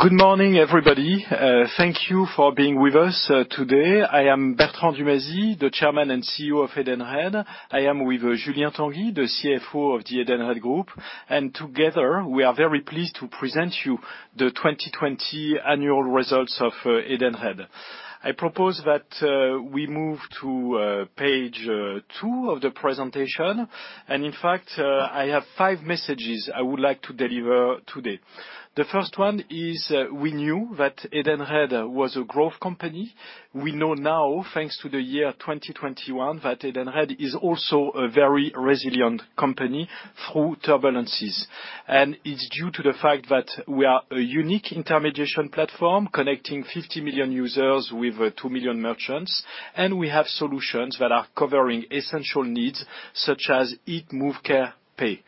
Good morning, everybody. Thank you for being with us today. I am Bertrand Dumazy, the Chairman and CEO of Edenred. I am with Julien Tanguy, the CFO of the Edenred Group, and together we are very pleased to present to you the 2020 annual results of Edenred. I propose that we move to page two of the presentation, and in fact, I have five messages I would like to deliver today. The first one is, we knew that Edenred was a growth company. We know now, thanks to the year 2021, that Edenred is also a very resilient company through turbulences, and it's due to the fact that we are a unique intermediation platform connecting 50 million users with two million merchants, and we have solutions that are covering essential needs such as Eat, Move, Care, Pay.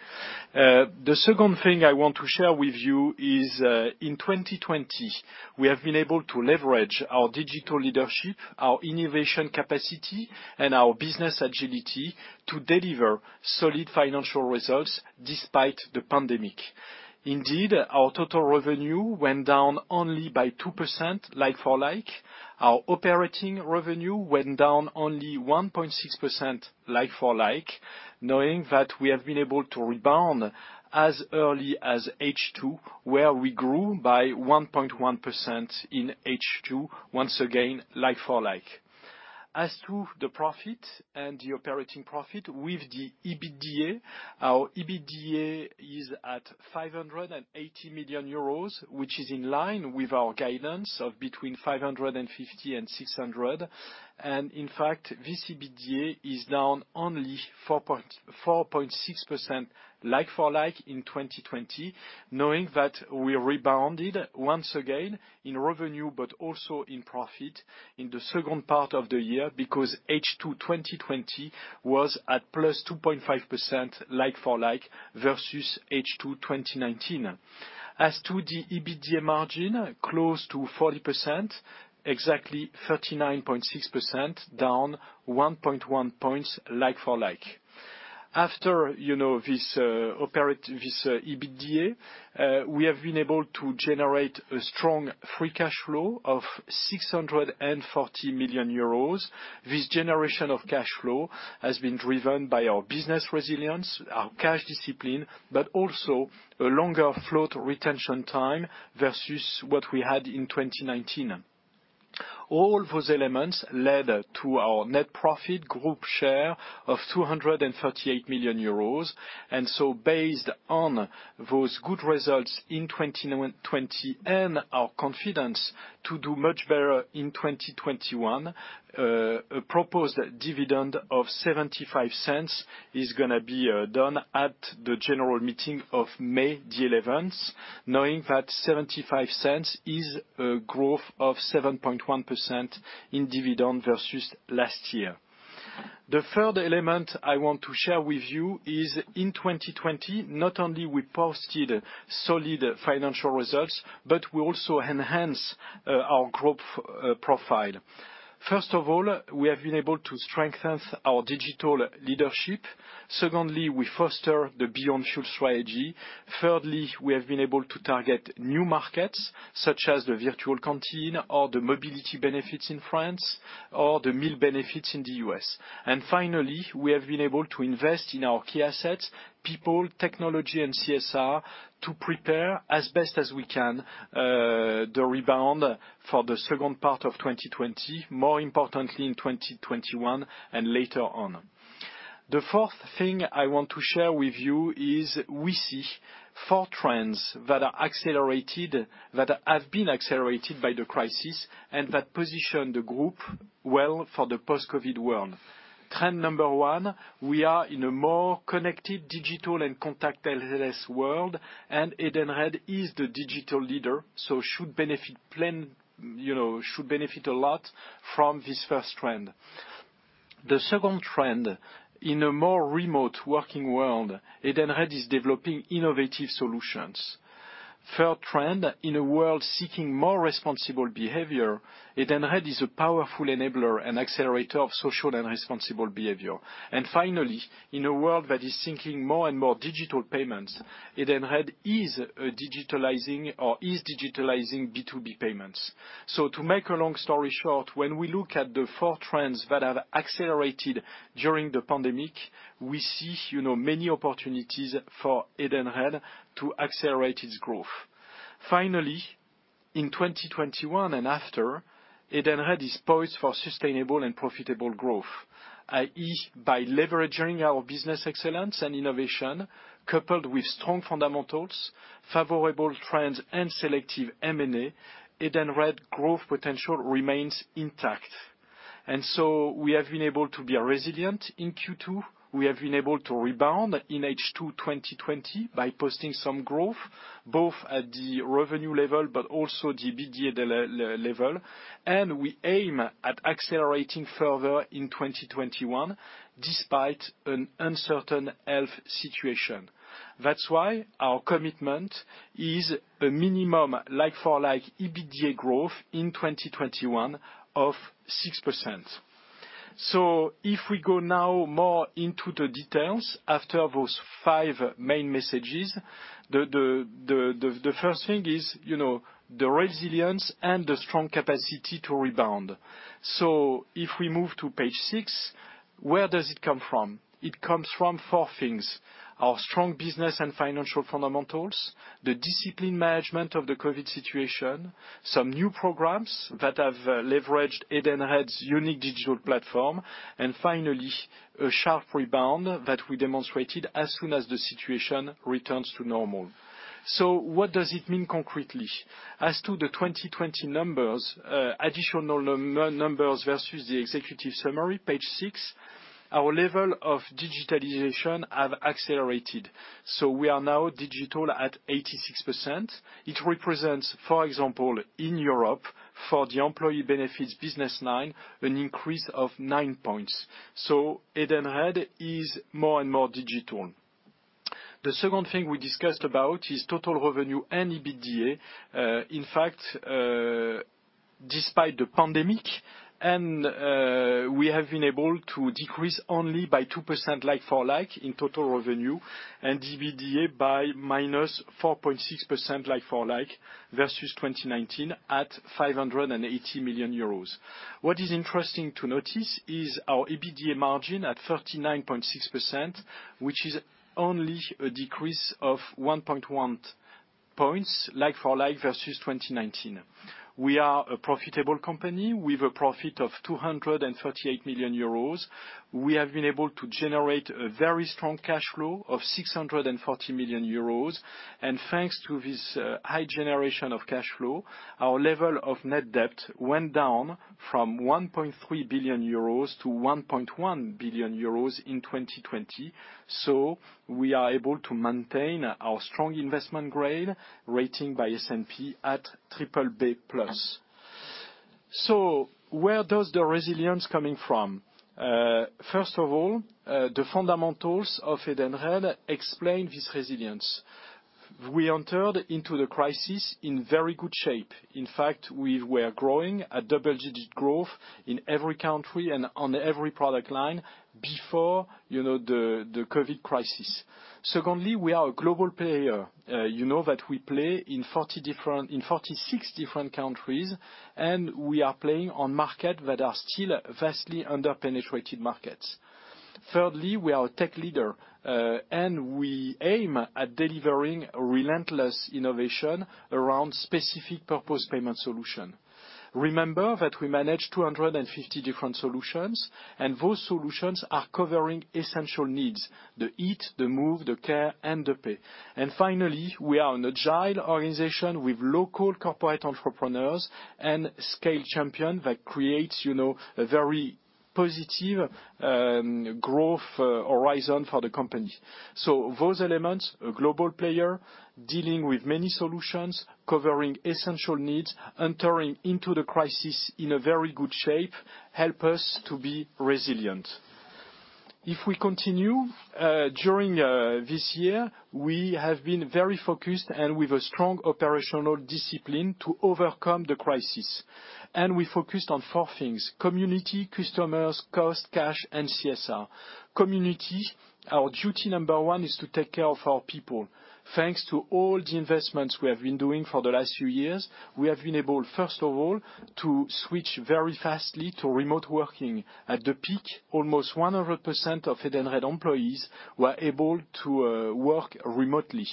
The second thing I want to share with you is, in 2020, we have been able to leverage our digital leadership, our innovation capacity, and our business agility to deliver solid financial results despite the pandemic. Indeed, our total revenue went down only by 2% like-for-like. Our operating revenue went down only 1.6% like-for-like, knowing that we have been able to rebound as early as H2, where we grew by 1.1% in H2, once again like-for-like. As to the profit and the operating profit, with the EBITDA, our EBITDA is at 580 million euros, which is in line with our guidance of between 550 and 600, and in fact, this EBITDA is down only 4.6% like-for-like in 2020, knowing that we rebounded once again in revenue but also in profit in the second part of the year because H2 2020 was at plus 2.5% like-for-like versus H2 2019. As to the EBITDA margin, close to 40%, exactly 39.6% down 1.1 points like-for-like. After this EBITDA, we have been able to generate a strong free cash flow of 640 million euros. This generation of cash flow has been driven by our business resilience, our cash discipline, but also a longer float retention time versus what we had in 2019. All those elements led to our net profit group share of 238 million euros and so based on those good results in 2020 and our confidence to do much better in 2021, a proposed dividend of 0.75 is going to be done at the general meeting of May the 11th, knowing that 0.75 is a growth of 7.1% in dividend versus last year. The third element I want to share with you is, in 2020, not only we posted solid financial results, but we also enhanced our growth profile. First of all, we have been able to strengthen our digital leadership. Secondly, we foster the Beyond Fuel strategy. Thirdly, we have been able to target new markets such as the virtual canteen or the mobility benefits in France or the meal benefits in the U.S. And finally, we have been able to invest in our key assets, people, technology, and CSR to prepare as best as we can the rebound for the second part of 2020, more importantly in 2021 and later on. The fourth thing I want to share with you is we see four trends that have been accelerated by the crisis and that position the group well for the post-COVID world. Trend number one, we are in a more connected digital and contactless world, and Edenred is the digital leader, so should benefit a lot from this first trend. The second trend, in a more remote working world, Edenred is developing innovative solutions. Third trend, in a world seeking more responsible behavior, Edenred is a powerful enabler and accelerator of social and responsible behavior. And finally, in a world that is seeking more and more digital payments, Edenred is digitalizing B2B payments. So, to make a long story short, when we look at the four trends that have accelerated during the pandemic, we see many opportunities for Edenred to accelerate its growth. Finally, in 2021 and after, Edenred is poised for sustainable and profitable growth. By leveraging our business excellence and innovation coupled with strong fundamentals, favorable trends, and selective M&A, Edenred's growth potential remains intact. And so, we have been able to be resilient in Q2. We have been able to rebound in H2 2020 by posting some growth both at the revenue level but also the EBITDA level, and we aim at accelerating further in 2021 despite an uncertain health situation. That's why our commitment is a minimum like-for-like EBITDA growth in 2021 of 6%. So, if we go now more into the details after those five main messages, the first thing is the resilience and the strong capacity to rebound. So, if we move to page six, where does it come from? It comes from four things: our strong business and financial fundamentals, the disciplined management of the COVID situation, some new programs that have leveraged Edenred's unique digital platform, and finally, a sharp rebound that we demonstrated as soon as the situation returns to normal. So, what does it mean concretely? As to the 2020 numbers, additional numbers versus the executive summary, page six, our level of digitalization has accelerated, so we are now digital at 86%. It represents, for example, in Europe, for the employee benefits business line, an increase of nine points, so Edenred is more and more digital. The second thing we discussed about is total revenue and EBITDA. In fact, despite the pandemic, we have been able to decrease only by 2% like-for-like in total revenue and EBITDA by minus 4.6% like-for-like versus 2019 at 580 million euros. What is interesting to notice is our EBITDA margin at 39.6%, which is only a decrease of 1.1 points like-for-like versus 2019. We are a profitable company with a profit of 238 million euros. We have been able to generate a very strong cash flow of 640 million euros, and thanks to this high generation of cash flow, our level of net debt went down from 1.3 billion euros to 1.1 billion euros in 2020. So, we are able to maintain our strong investment grade rating by S&P at BBB+. So where does the resilience come from? First of all, the fundamentals of Edenred explain this resilience. We entered into the crisis in very good shape. In fact, we were growing at double-digit growth in every country and on every product line before the COVID crisis. Secondly, we are a global player that we play in 46 different countries, and we are playing on markets that are still vastly under-penetrated markets. Thirdly, we are a tech leader, and we aim at delivering relentless innovation around specific purpose payment solutions. Remember that we manage 250 different solutions, and those solutions are covering essential needs: the eat, the move, the care, and the pay, and finally we are an agile organization with local corporate entrepreneurs and scale champions that create a very positive growth horizon for the company. Those elements, a global player dealing with many solutions, covering essential needs, entering into the crisis in a very good shape, help us to be resilient. If we continue, during this year, we have been very focused and with a strong operational discipline to overcome the crisis, and we focused on four things: community, customers, cost, cash, and CSR. Community, our duty number one is to take care of our people. Thanks to all the investments we have been doing for the last few years, we have been able, first of all, to switch very fastly to remote working. At the peak, almost 100% of Edenred employees were able to work remotely.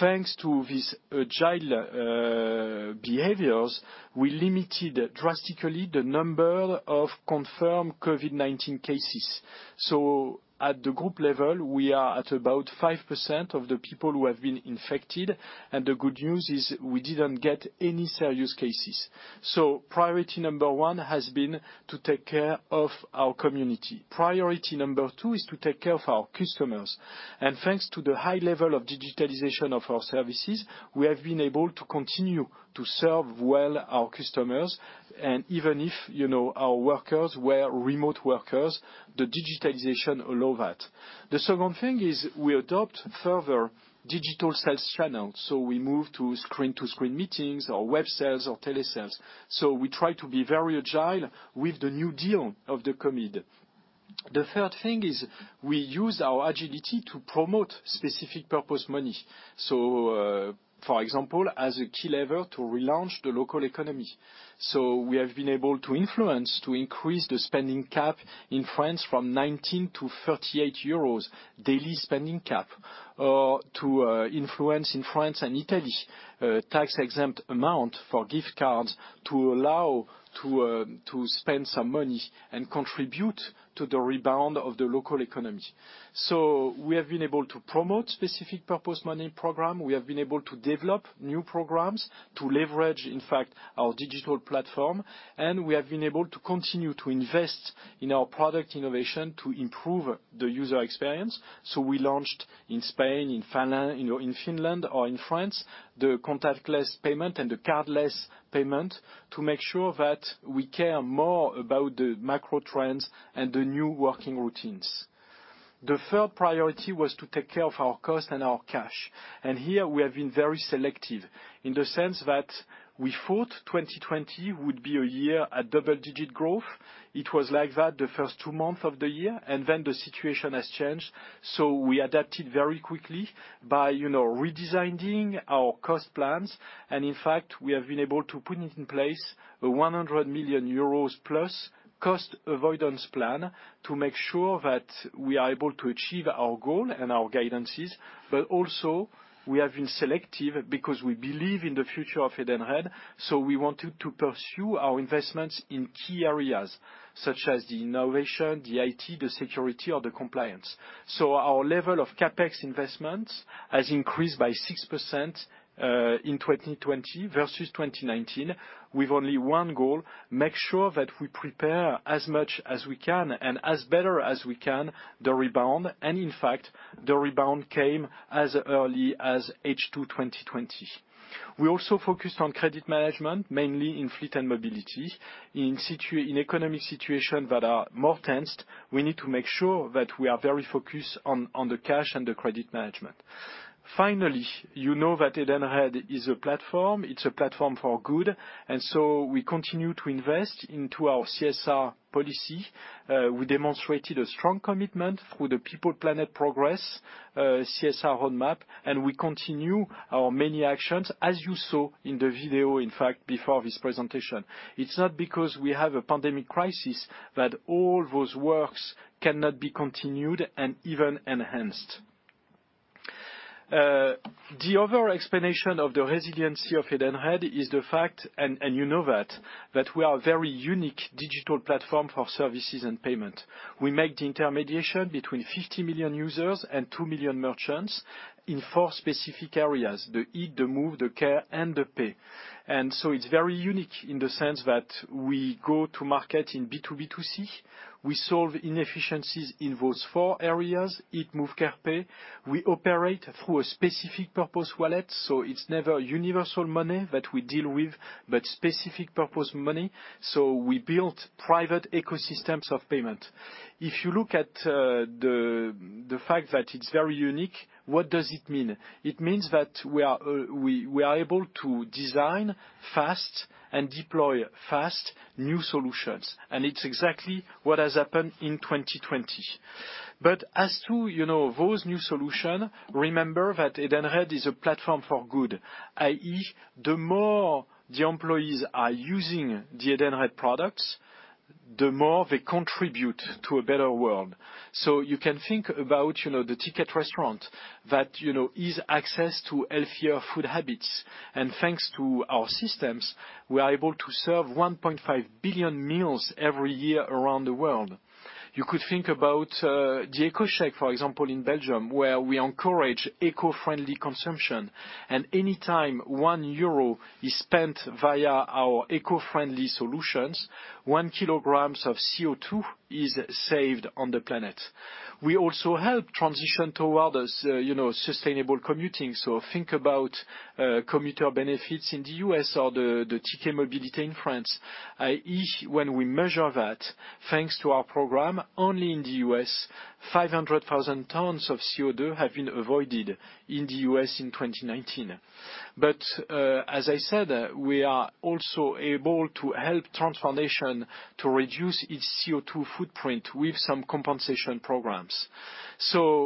Thanks to these agile behaviors, we limited drastically the number of confirmed COVID-19 cases. So, at the group level, we are at about 5% of the people who have been infected, and the good news is we didn't get any serious cases. So, priority number one has been to take care of our community. Priority number two is to take care of our customers. And thanks to the high level of digitalization of our services, we have been able to continue to serve well our customers, and even if our workers were remote workers, the digitalization allowed that. The second thing is we adopt further digital sales channels. So, we move to screen-to-screen meetings or web sales or telesales. So, we try to be very agile with the new deal of the COVID. The third thing is we use our agility to promote specific purpose money, so for example as a key lever to relaunch the local economy, so we have been able to influence to increase the spending cap in France from 19 to 38 euros daily spending cap, or to influence in France and Italy tax-exempt amount for gift cards to allow to spend some money and contribute to the rebound of the local economy, so we have been able to promote specific purpose money program. We have been able to develop new programs to leverage, in fact, our digital platform, and we have been able to continue to invest in our product innovation to improve the user experience, so we launched in Spain, in Finland, or in France the contactless payment and the cardless payment to make sure that we care more about the macro trends and the new working routines. The third priority was to take care of our cost and our cash, and here, we have been very selective in the sense that we thought 2020 would be a year at double-digit growth. It was like that the first two months of the year, and then the situation has changed, so we adapted very quickly by redesigning our cost plans, and in fact, we have been able to put in place a 100 million euros plus cost avoidance plan to make sure that we are able to achieve our goal and our guidances, but also, we have been selective because we believe in the future of Edenred, so we wanted to pursue our investments in key areas such as the innovation, the IT, the security, or the compliance. So, our level of CapEx investments has increased by 6% in 2020 versus 2019 with only one goal: make sure that we prepare as much as we can and as better as we can the rebound. And in fact, the rebound came as early as H2 2020. We also focused on credit management, mainly in fleet and mobility. In economic situations that are more tense, we need to make sure that we are very focused on the cash and the credit management. Finally, you know that Edenred is a platform. It's a platform for good, and so we continue to invest into our CSR policy. We demonstrated a strong commitment through the People Planet Progress CSR roadmap, and we continue our many actions, as you saw in the video, in fact, before this presentation. It's not because we have a pandemic crisis that all those works cannot be continued and even enhanced. The other explanation of the resiliency of Edenred is the fact, and you know that, that we are a very unique digital platform for services and payments. We make the intermediation between 50 million users and 2 million merchants in four specific areas: the eat, the move, the care, and the pay. And so, it's very unique in the sense that we go to market in B2B2C. We solve inefficiencies in those four areas: eat, move, care, pay. We operate through a specific purpose wallet, so it's never universal money that we deal with, but specific purpose money. So, we built private ecosystems of payments. If you look at the fact that it's very unique, what does it mean? It means that we are able to design fast and deploy fast new solutions, and it's exactly what has happened in 2020. But as to those new solutions, remember that Edenred is a platform for good, i.e., the more the employees are using the Edenred products, the more they contribute to a better world. So, you can think about the Ticket Restaurant that is access to healthier food habits. And thanks to our systems, we are able to serve 1.5 billion meals every year around the world. You could think about the EcoCheque, for example, in Belgium, where we encourage eco-friendly consumption. And anytime 1 euro is spent via our eco-friendly solutions, one kilogram of CO2 is saved on the planet. We also help transition towards sustainable commuting. Think about Commuter Benefits in the U.S. or the Ticket Mobility in France, i.e., when we measure that, thanks to our program, only in the U.S., 500,000 tons of CO2 have been avoided in the U.S. in 2019. As I said, we are also able to help transformation to reduce its CO2 footprint with some compensation programs.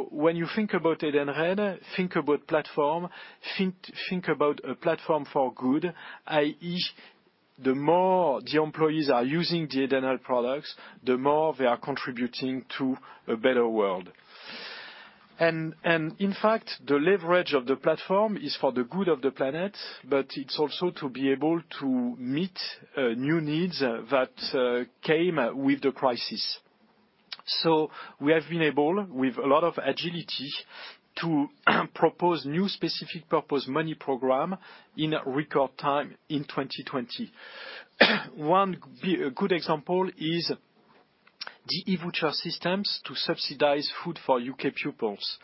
When you think about Edenred, think about platform, think about a platform for good, i.e., the more the employees are using the Edenred products, the more they are contributing to a better world. In fact, the leverage of the platform is for the good of the planet, but it's also to be able to meet new needs that came with the crisis. We have been able, with a lot of agility, to propose new specific purpose money programs in record time in 2020. One good example is the eVoucher systems to subsidize food for U.K. pupils.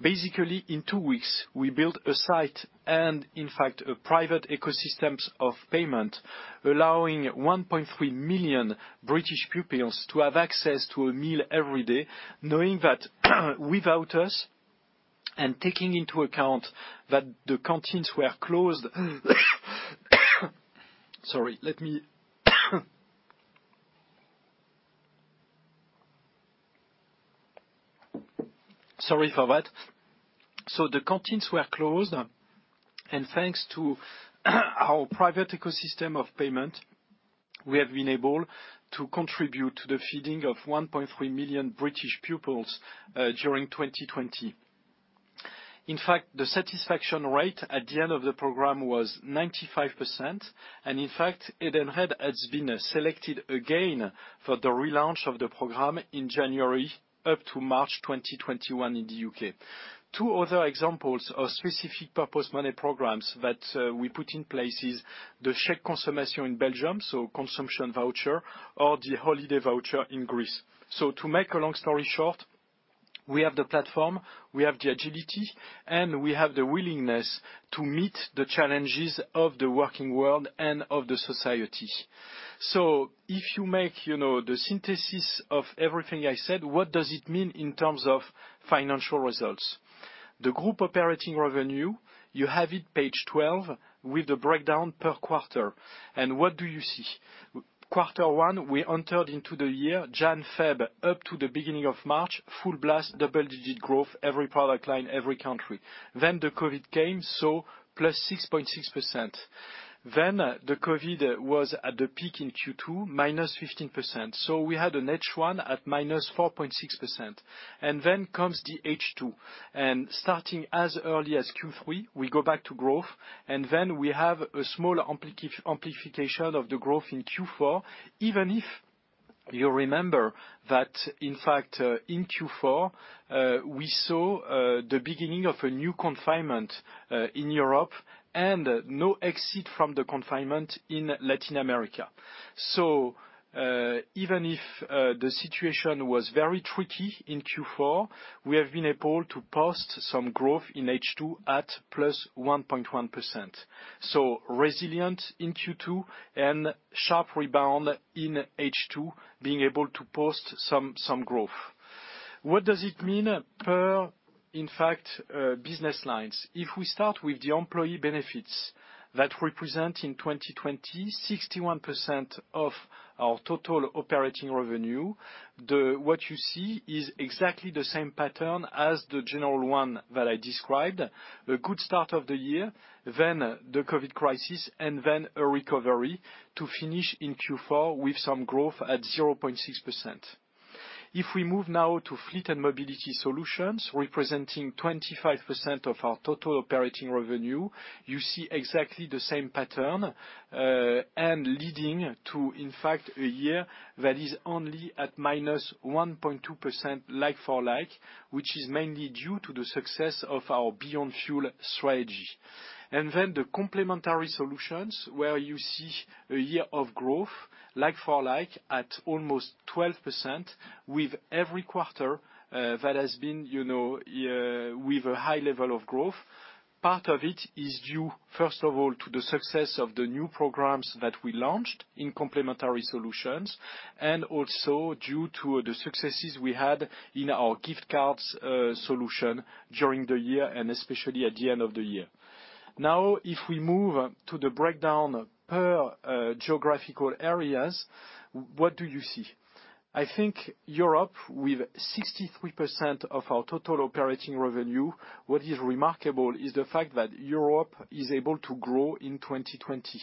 Basically, in two weeks, we built a site and, in fact, a private ecosystem of payment allowing 1.3 million British pupils to have access to a meal every day, knowing that without us and taking into account that the canteens were closed. Sorry, let me, sorry for that. So, the canteens were closed, and thanks to our private ecosystem of payment, we have been able to contribute to the feeding of 1.3 million British pupils during 2020. In fact, the satisfaction rate at the end of the program was 95%, and in fact, Edenred has been selected again for the relaunch of the program in January up to March 2021 in the U.K. Two other examples of specific purpose money programs that we put in place are the Chèque Consommation in Belgium, so consumption voucher, or the holiday voucher in Greece. To make a long story short, we have the platform, we have the agility, and we have the willingness to meet the challenges of the working world and of the society. If you make the synthesis of everything I said, what does it mean in terms of financial results? The group operating revenue, you have it page 12 with the breakdown per quarter. What do you see? Quarter one, we entered into the year Jan-Feb up to the beginning of March, full blast, double-digit growth, every product line, every country. Then the COVID came, so plus 6.6%. Then the COVID was at the peak in Q2, minus 15%. We had an H1 at minus 4.6%. Then comes the H2. Starting as early as Q3, we go back to growth, and then we have a small amplification of the growth in Q4, even if you remember that, in fact, in Q4, we saw the beginning of a new confinement in Europe and no exit from the confinement in Latin America. Even if the situation was very tricky in Q4, we have been able to post some growth in H2 at +1.1%. Resilient in Q2 and sharp rebound in H2, being able to post some growth. What does it mean per, in fact, business lines? If we start with the employee benefits that represent in 2020 61% of our total operating revenue, what you see is exactly the same pattern as the general one that I described: a good start of the year, then the COVID crisis, and then a recovery to finish in Q4 with some growth at 0.6%. If we move now to fleet and mobility solutions representing 25% of our total operating revenue, you see exactly the same pattern and leading to, in fact, a year that is only at minus 1.2% like-for-like, which is mainly due to the success of our Beyond Fuel strategy, and then the complementary solutions where you see a year of growth like-for-like at almost 12% with every quarter that has been with a high level of growth. Part of it is due, first of all, to the success of the new programs that we launched in Complementary Solutions and also due to the successes we had in our gift cards solution during the year and especially at the end of the year. Now, if we move to the breakdown per geographical areas, what do you see? I think Europe with 63% of our total operating revenue. What is remarkable is the fact that Europe is able to grow in 2020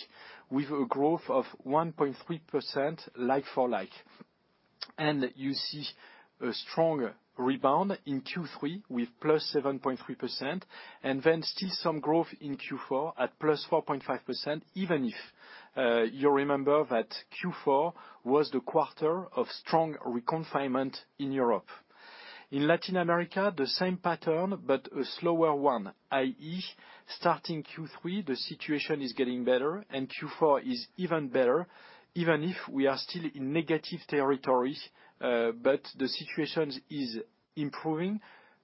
with a growth of 1.3% like-for-like, and you see a strong rebound in Q3 with plus 7.3%, and then still some growth in Q4 at plus 4.5%, even if you remember that Q4 was the quarter of strong reconfinement in Europe. In Latin America, the same pattern but a slower one, i.e., starting Q3, the situation is getting better, and Q4 is even better, even if we are still in negative territory, but the situation is improving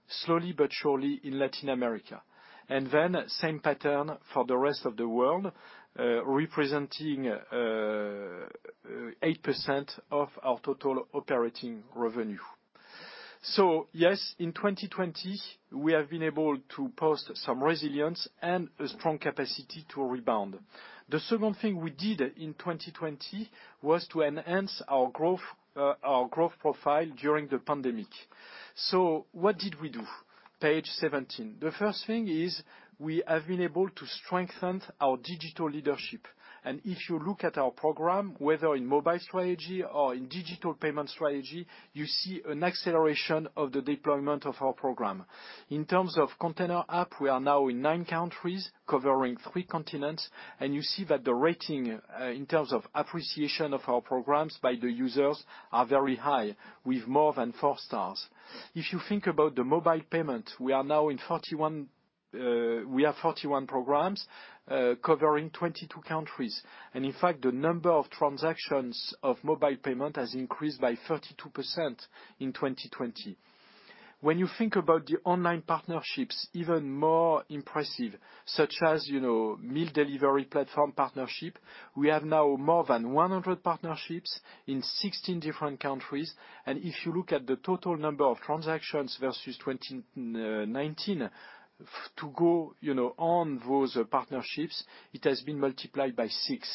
slowly but surely in Latin America, and then same pattern for the rest of the world representing 8% of our total operating revenue, so yes, in 2020, we have been able to post some resilience and a strong capacity to rebound. The second thing we did in 2020 was to enhance our growth profile during the pandemic, so what did we do? Page 17. The first thing is we have been able to strengthen our digital leadership, and if you look at our program, whether in mobile strategy or in digital payment strategy, you see an acceleration of the deployment of our program. In terms of Edenred app, we are now in nine countries covering three continents, and you see that the rating in terms of appreciation of our programs by the users are very high with more than four stars. If you think about the mobile payment, we have 41 programs covering 22 countries. And in fact, the number of transactions of mobile payment has increased by 32% in 2020. When you think about the online partnerships, even more impressive, such as meal delivery platform partnership, we have now more than 100 partnerships in 16 different countries. And if you look at the total number of transactions versus 2019 to go on those partnerships, it has been multiplied by six.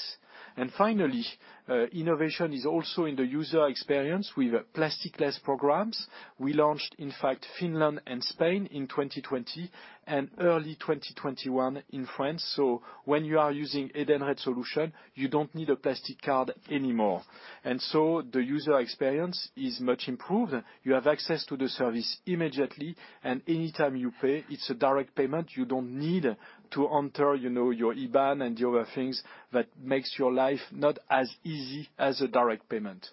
And finally, innovation is also in the user experience with plastic-less programs. We launched, in fact, in Finland and Spain in 2020 and early 2021 in France. So when you are using Edenred solution, you don't need a plastic card anymore. And so, the user experience is much improved. You have access to the service immediately, and anytime you pay, it's a direct payment. You don't need to enter your IBAN and the other things that make your life not as easy as a direct payment.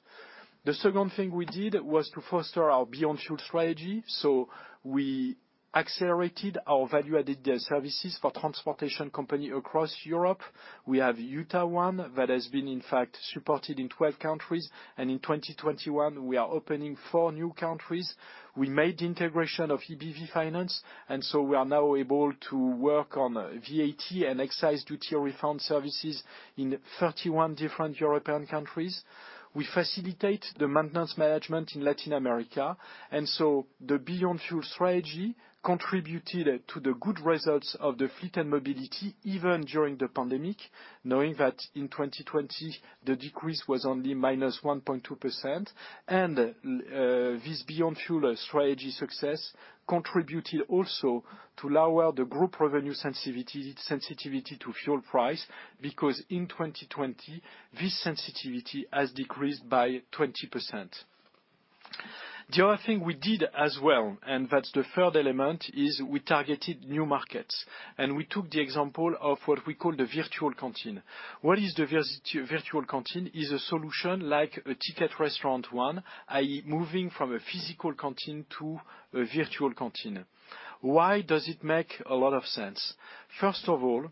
The second thing we did was to foster our Beyond Fuel strategy. So we accelerated our value-added services for transportation companies across Europe. We have UTA One that has been, in fact, supported in 12 countries. And in 2021, we are opening four new countries. We made the integration of EBV Finance, and so we are now able to work on VAT and excise duty refund services in 31 different European countries. We facilitate the maintenance management in Latin America. The Beyond Fuel strategy contributed to the good results of the fleet and mobility even during the pandemic, knowing that in 2020, the decrease was only -1.2%. This Beyond Fuel strategy success contributed also to lower the group revenue sensitivity to fuel price because in 2020, this sensitivity has decreased by 20%. The other thing we did as well, and that's the third element, is we targeted new markets. We took the example of what we call the Virtual Canteen. What is the Virtual Canteen? It's a solution like a Ticket Restaurant one, i.e., moving from a physical canteen to a Virtual Canteen. Why does it make a lot of sense? First of all,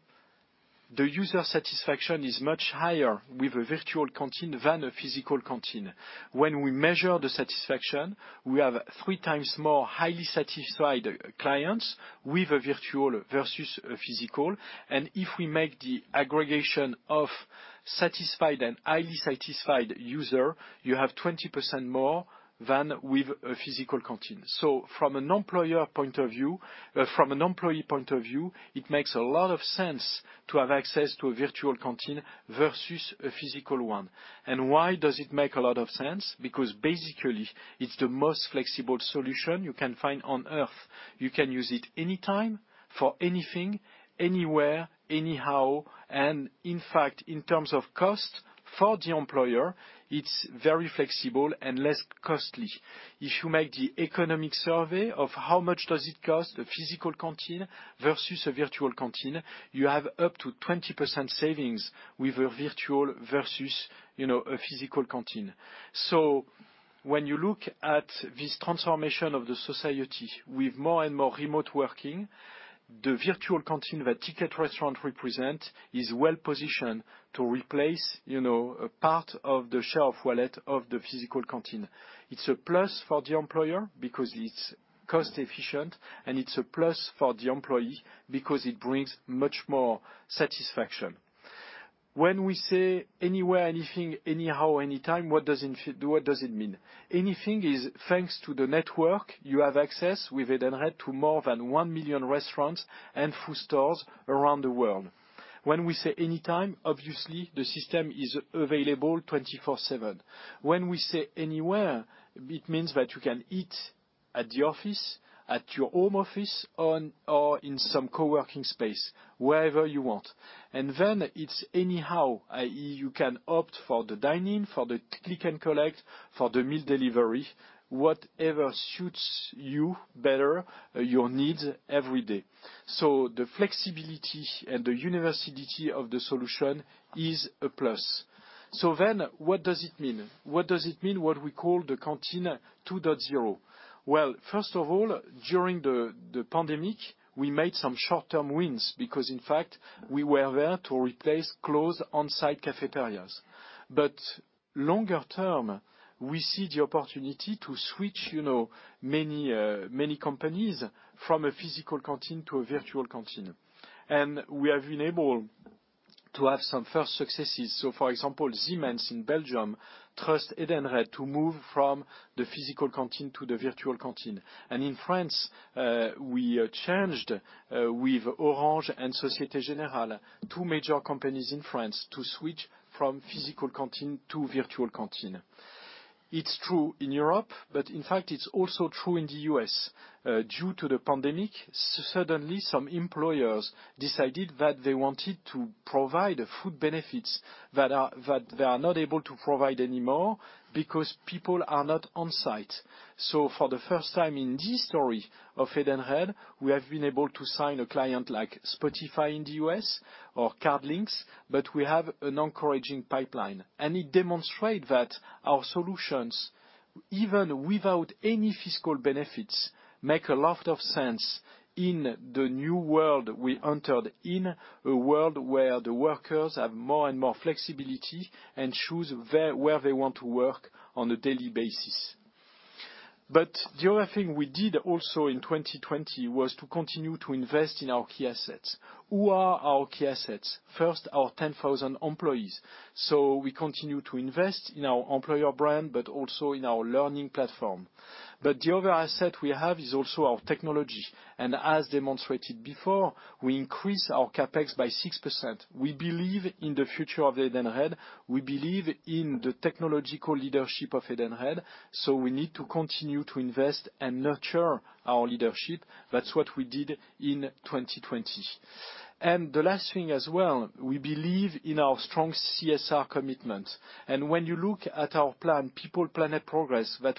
the user satisfaction is much higher with a Virtual Canteen than a physical canteen. When we measure the satisfaction, we have three times more highly satisfied clients with a virtual versus a physical. And if we make the aggregation of satisfied and highly satisfied users, you have 20% more than with a physical canteen. So, from an employer point of view, from an employee point of view, it makes a lot of sense to have access to a virtual canteen versus a physical one. And why does it make a lot of sense? Because basically, it's the most flexible solution you can find on earth. You can use it anytime, for anything, anywhere, anyhow. And in fact, in terms of cost for the employer, it's very flexible and less costly. If you make the economic survey of how much does it cost, a physical canteen versus a virtual canteen, you have up to 20% savings with a virtual versus a physical canteen. So when you look at this transformation of the society with more and more remote working, the virtual canteen that Ticket Restaurant represents is well positioned to replace a part of the share of wallet of the physical canteen. It's a plus for the employer because it's cost-efficient, and it's a plus for the employee because it brings much more satisfaction. When we say anywhere, anything, anyhow, anytime, what does it mean? Anything is thanks to the network you have access with Edenred to more than one million restaurants and food stores around the world. When we say anytime, obviously, the system is available 24/7. When we say anywhere, it means that you can eat at the office, at your home office, or in some coworking space, wherever you want. And then it's anyhow, i.e., you can opt for the dining, for the click and collect, for the meal delivery, whatever suits you better, your needs every day. So, the flexibility and the universality of the solution is a plus. So, then what does it mean? What does it mean what we call the canteen 2.0? Well, first of all, during the pandemic, we made some short-term wins because, in fact, we were there to replace closed on-site cafeterias. But longer term, we see the opportunity to switch many companies from a physical canteen to a virtual canteen. And we have been able to have some first successes. So, for example, Siemens in Belgium trusted Edenred to move from the physical canteen to the virtual canteen. And in France, we changed with Orange and Société Générale, two major companies in France, to switch from physical canteen to virtual canteen. It's true in Europe, but in fact, it's also true in the U.S. Due to the pandemic, suddenly some employers decided that they wanted to provide food benefits that they are not able to provide anymore because people are not on-site. So, for the first time in this story of Edenred, we have been able to sign a client like Spotify in the U.S. or CardLynx, but we have an encouraging pipeline. And it demonstrates that our solutions, even without any fiscal benefits, make a lot of sense in the new world we entered in, a world where the workers have more and more flexibility and choose where they want to work on a daily basis. But the other thing we did also in 2020 was to continue to invest in our key assets. Who are our key assets? First, our 10,000 employees. We continue to invest in our employer brand, but also in our learning platform. But the other asset we have is also our technology. And as demonstrated before, we increased our CapEx by 6%. We believe in the future of Edenred. We believe in the technological leadership of Edenred. So we need to continue to invest and nurture our leadership. That's what we did in 2020. And the last thing as well, we believe in our strong CSR commitment. And when you look at our plan, People Planet Progress that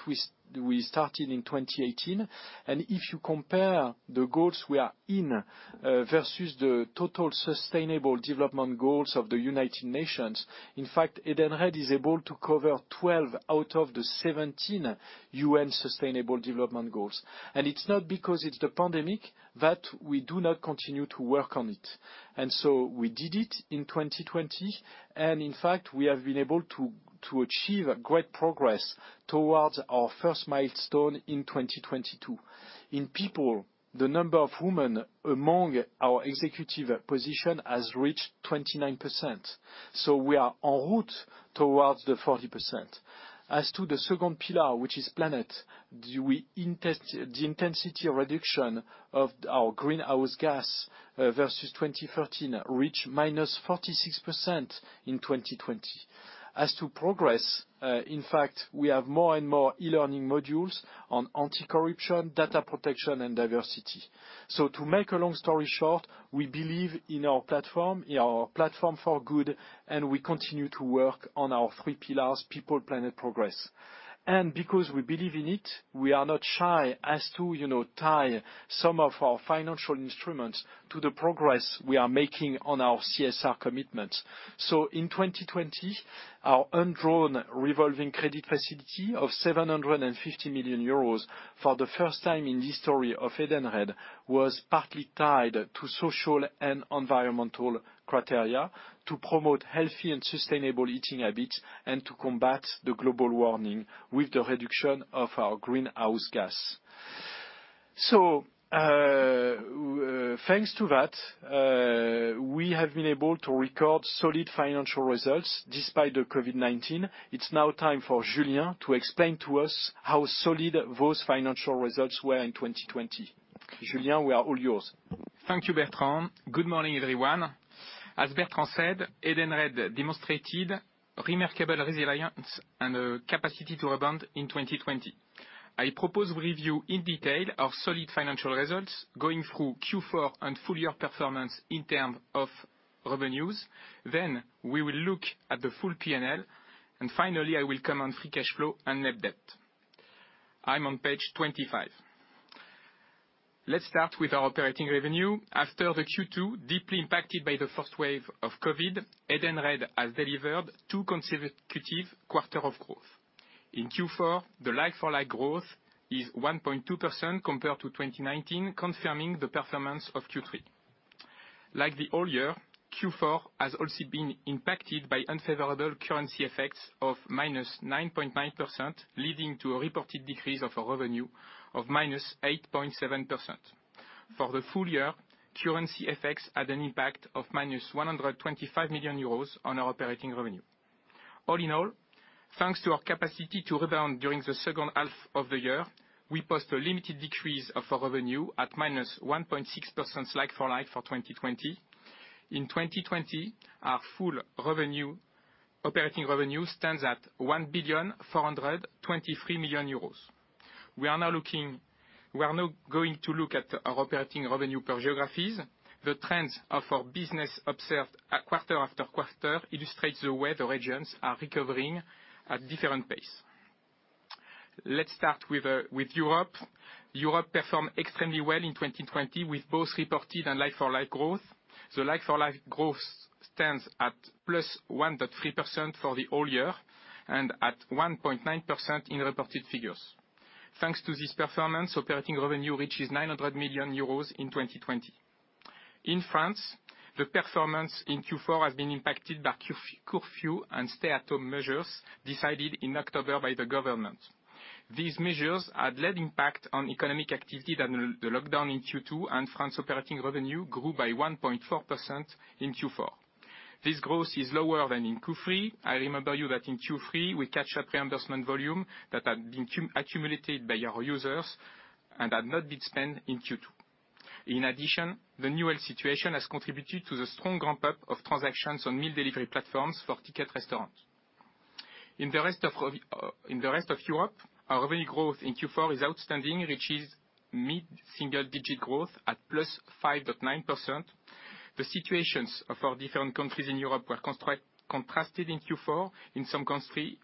we started in 2018, and if you compare the goals we are in versus the total sustainable development goals of the United Nations, in fact, Edenred is able to cover 12 out of the 17 UN Sustainable Development Goals. And it's not because it's the pandemic that we do not continue to work on it. And so we did it in 2020. And in fact, we have been able to achieve great progress towards our first milestone in 2022. In people, the number of women among our executive positions has reached 29%. So we are en route towards the 40%. As to the second pillar, which is planet, the intensity reduction of our greenhouse gas versus 2013 reached minus 46% in 2020. As to progress, in fact, we have more and more e-learning modules on anti-corruption, data protection, and diversity. So to make a long story short, we believe in our platform, in our platform for good, and we continue to work on our three pillars, People Planet Progress. And because we believe in it, we are not shy as to tie some of our financial instruments to the progress we are making on our CSR commitments. So in 2020, our undrawn revolving credit facility of 750 million euros for the first time in the history of Edenred was partly tied to social and environmental criteria to promote healthy and sustainable eating habits and to combat the global warming with the reduction of our greenhouse gas. So thanks to that, we have been able to record solid financial results despite the COVID-19. It's now time for Julien to explain to us how solid those financial results were in 2020. Julien, we are all yours. Thank you, Bertrand. Good morning, everyone. As Bertrand said, Edenred demonstrated remarkable resilience and capacity to rebound in 2020. I propose we review in detail our solid financial results going through Q4 and full-year performance in terms of revenues. Then we will look at the full P&L. And finally, I will comment on free cash flow and net debt. I'm on page 25. Let's start with our operating revenue. After Q2, deeply impacted by the first wave of COVID, Edenred has delivered two consecutive quarters of growth. In Q4, the like-for-like growth is 1.2% compared to 2019, confirming the performance of Q3. Like the whole year, Q4 has also been impacted by unfavorable currency effects of -9.9%, leading to a reported decrease of our revenue of -8.7%. For the full year, currency effects had an impact of -125 million euros on our operating revenue. All in all, thanks to our capacity to rebound during the second half of the year, we post a limited decrease of our revenue at -1.6% like-for-like for 2020. In 2020, our full operating revenue stands at 1,423 million euros. We are now going to look at our operating revenue per geographies. The trends of our business observed quarter after quarter illustrate the way the regions are recovering at different pace. Let's start with Europe. Europe performed extremely well in 2020 with both reported and like-for-like growth. The like-for-like growth stands at plus 1.3% for the whole year and at 1.9% in reported figures. Thanks to this performance, operating revenue reaches 900 million euros in 2020. In France, the performance in Q4 has been impacted by curfew and stay-at-home measures decided in October by the government. These measures had a lesser impact on economic activity during the lockdown in Q2, and France's operating revenue grew by 1.4% in Q4. This growth is lower than in Q3. I remind you that in Q3, we captured reimbursement volume that had been accumulated by our users and had not been spent in Q2. In addition, the new world situation has contributed to the strong ramp-up of transactions on meal delivery platforms for Ticket Restaurant. In the rest of Europe, our revenue growth in Q4 is outstanding, reaching mid-single-digit growth at +5.9%. The situations of our different countries in Europe were contrasted in Q4. In some countries,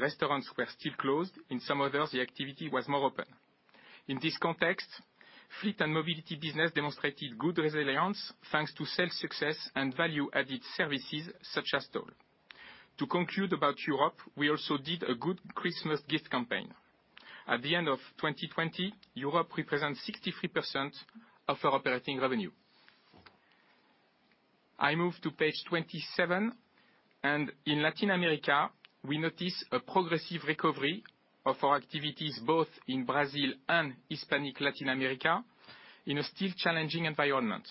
restaurants were still closed. In some others, the activity was more open. In this context, fleet and mobility business demonstrated good resilience thanks to sales success and value-added services such as toll. To conclude about Europe, we also did a good Christmas gift campaign. At the end of 2020, Europe represents 63% of our operating revenue. I move to page 27, and in Latin America, we notice a progressive recovery of our activities both in Brazil and Hispanic Latin America in a still challenging environment.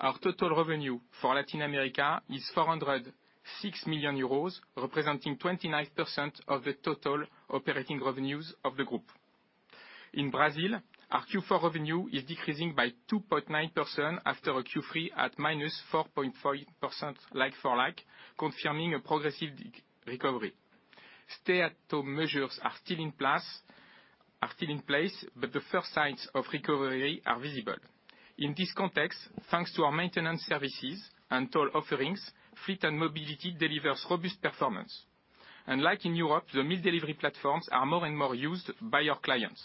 Our total revenue for Latin America is 406 million euros, representing 29% of the total operating revenues of the group. In Brazil, our Q4 revenue is decreasing by 2.9% after Q3 at minus 4.5% like-for-like, confirming a progressive recovery. Stay-at-home measures are still in place, but the first signs of recovery are visible. In this context, thanks to our maintenance services and toll offerings, fleet and mobility deliver robust performance. And like in Europe, the meal delivery platforms are more and more used by our clients.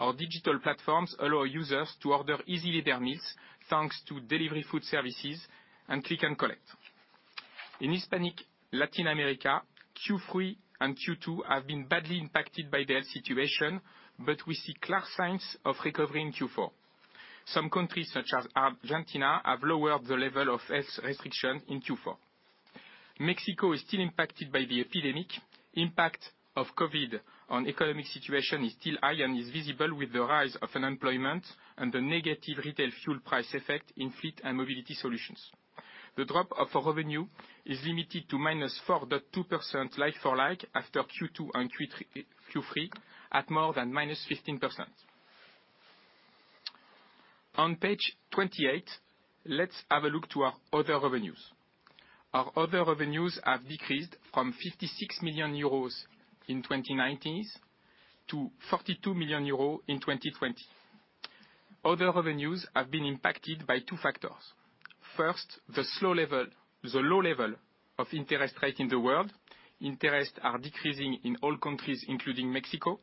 Our digital platforms allow users to order easily their meals thanks to delivery food services and click and collect. In Hispanic Latin America, Q3 and Q2 have been badly impacted by the health situation, but we see clear signs of recovery in Q4. Some countries, such as Argentina, have lowered the level of health restrictions in Q4. Mexico is still impacted by the epidemic. The impact of COVID on the economic situation is still high and is visible with the rise of unemployment and the negative retail fuel price effect in fleet and mobility solutions. The drop of our revenue is limited to minus 4.2% like-for-like after Q2 and Q3 at more than minus 15%. On page 28, let's have a look at our other revenues. Our other revenues have decreased from 56 million euros in 2019 to 42 million euros in 2020. Other revenues have been impacted by two factors. First, the low level of interest rates in the world. Interests are decreasing in all countries, including Mexico.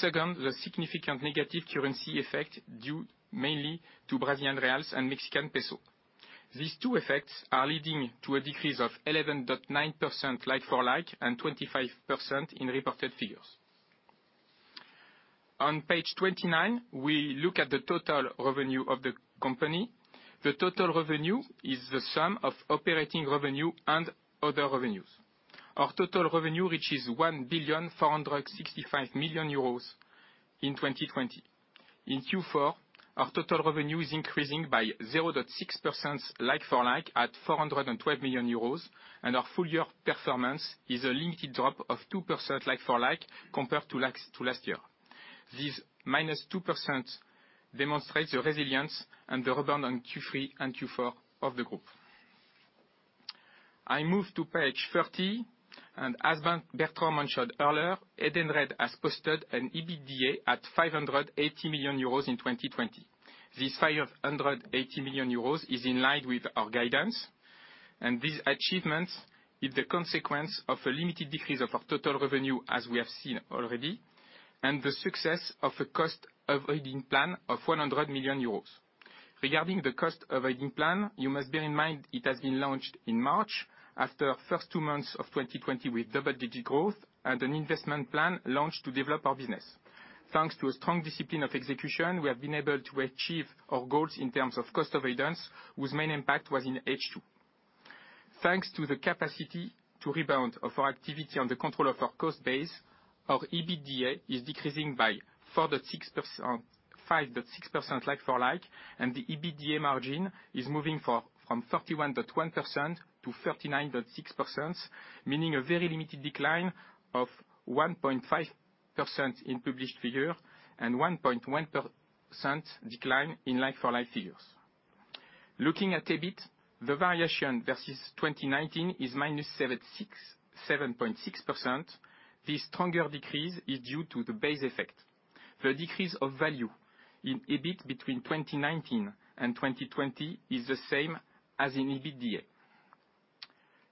Second, the significant negative currency effect due mainly to Brazilian reais and Mexican peso. These two effects are leading to a decrease of 11.9% like-for-like and 25% in reported figures. On page 29, we look at the total revenue of the company. The total revenue is the sum of operating revenue and other revenues. Our total revenue reaches 1,465 million euros in 2020. In Q4, our total revenue is increasing by 0.6% like-for-like at 412 million euros, and our full-year performance is a limited drop of 2% like-for-like compared to last year. This minus 2% demonstrates the resilience and the rebound on Q3 and Q4 of the group. I move to page 30. And as Bertrand mentioned earlier, Edenred has posted an EBITDA at 580 million euros in 2020. This 580 million euros is in line with our guidance. And these achievements are the consequence of a limited decrease of our total revenue, as we have seen already, and the success of a cost-avoiding plan of 100 million euros. Regarding the cost-avoiding plan, you must bear in mind it has been launched in March after the first two months of 2020 with double-digit growth and an investment plan launched to develop our business. Thanks to a strong discipline of execution, we have been able to achieve our goals in terms of cost avoidance, whose main impact was in H2. Thanks to the capacity to rebound of our activity under control of our cost base, our EBITDA is decreasing by 5.6% like-for-like, and the EBITDA margin is moving from 31.1% to 39.6%, meaning a very limited decline of 1.5% in published figures and 1.1% decline in like-for-like figures. Looking at EBIT, the variation versus 2019 is minus 7.6%. This stronger decrease is due to the base effect. The decrease of value in EBIT between 2019 and 2020 is the same as in EBITDA.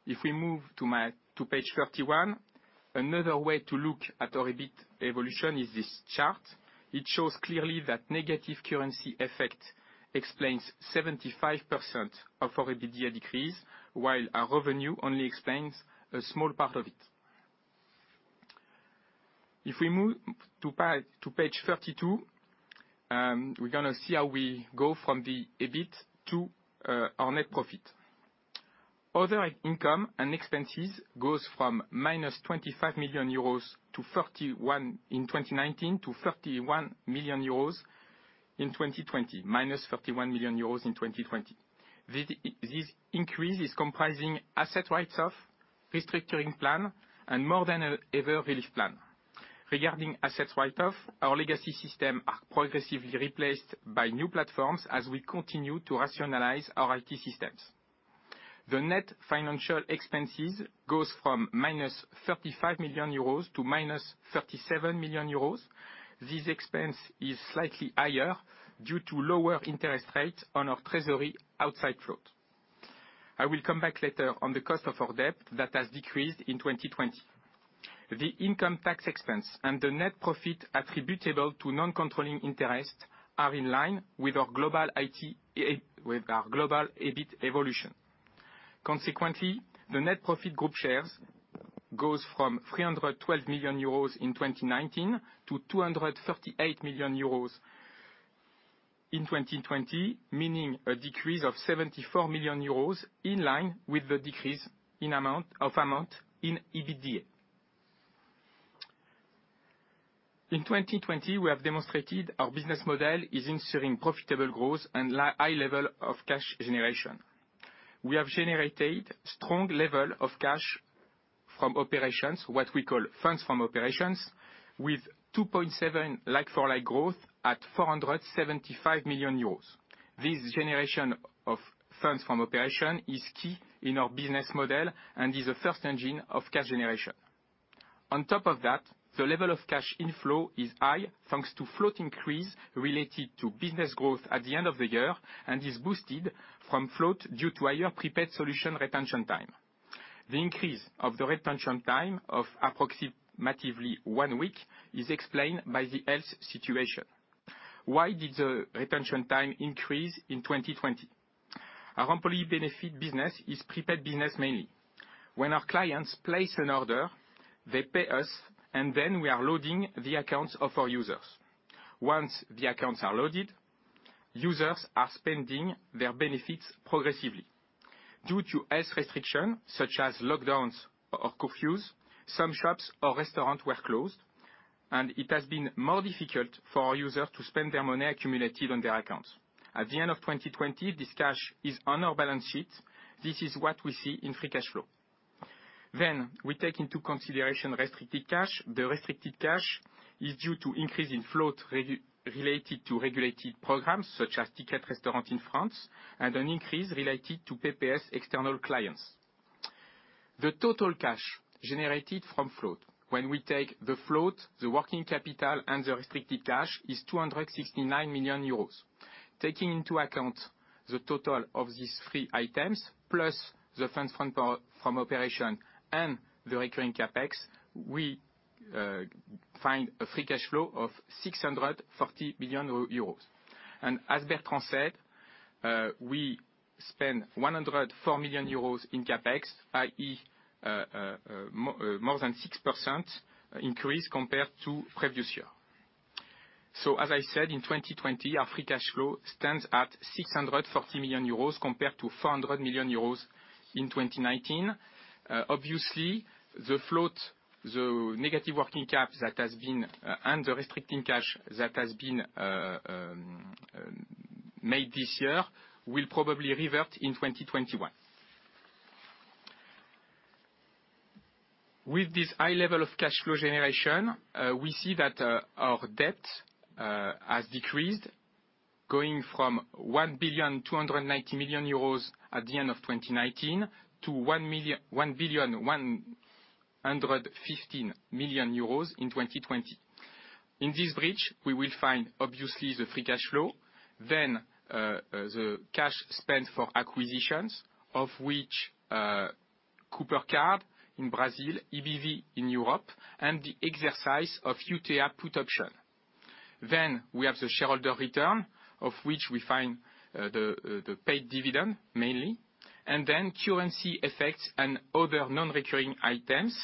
If we move to page 31, another way to look at our EBIT evolution is this chart. It shows clearly that negative currency effect explains 75% of our EBITDA decrease, while our revenue only explains a small part of it. If we move to page 32, we're going to see how we go from the EBIT to our net profit. Other income and expenses go from minus 25 million euros in 2019 to 31 million euros in 2020, minus 31 million euros in 2020. This increase is comprising asset write-off, restructuring plan, and more-than-ever relief plan. Regarding asset write-off, our legacy systems are progressively replaced by new platforms as we continue to rationalize our IT systems. The net financial expenses go from minus 35 million euros to minus 37 million euros. This expense is slightly higher due to lower interest rates on our treasury outside float. I will come back later on the cost of our debt that has decreased in 2020. The income tax expense and the net profit attributable to non-controlling interest are in line with our global EBIT evolution. Consequently, the net profit group shares go from 312 million euros in 2019 to 238 million euros in 2020, meaning a decrease of 74 million euros in line with the decrease of amount in EBITDA. In 2020, we have demonstrated our business model is ensuring profitable growth and high level of cash generation. We have generated a strong level of cash from operations, what we call funds from operations, with 2.7% like-for-like growth at 475 million euros. This generation of funds from operations is key in our business model and is a first engine of cash generation. On top of that, the level of cash inflow is high thanks to float increase related to business growth at the end of the year, and is boosted from float due to higher prepaid solution retention time. The increase of the retention time of approximately one week is explained by the health situation. Why did the retention time increase in 2020? Our employee benefit business is prepaid business mainly. When our clients place an order, they pay us, and then we are loading the accounts of our users. Once the accounts are loaded, users are spending their benefits progressively. Due to health restrictions such as lockdowns or curfews, some shops or restaurants were closed, and it has been more difficult for our users to spend their money accumulated on their accounts. At the end of 2020, this cash is on our balance sheet. This is what we see in free cash flow. Then we take into consideration restricted cash. The restricted cash is due to an increase in float related to regulated programs such as Ticket Restaurants in France and an increase related to PPS external clients. The total cash generated from float when we take the float, the working capital, and the restricted cash is 269 million euros. Taking into account the total of these three items plus the funds from operations and the recurring CapEx, we find a free cash flow of 640 million euros. And as Bertrand said, we spend 104 million euros in CapEx, i.e., more than 6% increase compared to previous year. So, as I said, in 2020, our free cash flow stands at 640 million euros compared to 400 million euros in 2019. Obviously, the float, the negative working cap that has been, and the restricted cash that has been made this year will probably revert in 2021. With this high level of cash flow generation, we see that our debt has decreased going from 1,290 million euros at the end of 2019 to 1,115 million in 2020. In this bridge, we will find, obviously, the free cash flow, then the cash spent for acquisitions, of which Cooper Card in Brazil, EBV in Europe, and the exercise of UTA put option. Then we have the shareholder return, of which we find the paid dividend mainly, and then currency effects and other non-recurring items.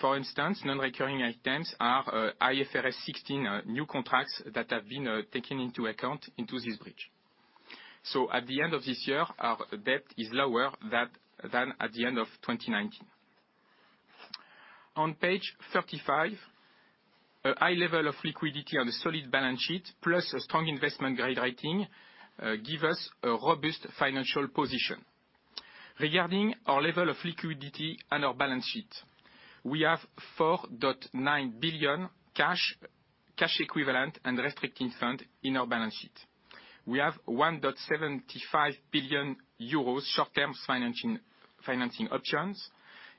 For instance, non-recurring items are IFRS 16 new contracts that have been taken into account into this bridge. So, at the end of this year, our debt is lower than at the end of 2019. On page 35, a high level of liquidity on a solid balance sheet plus a strong investment-grade rating gives us a robust financial position. Regarding our level of liquidity and our balance sheet, we have 4.9 billion cash equivalent and restricted funds in our balance sheet. We have 1.75 billion euros short-term financing options.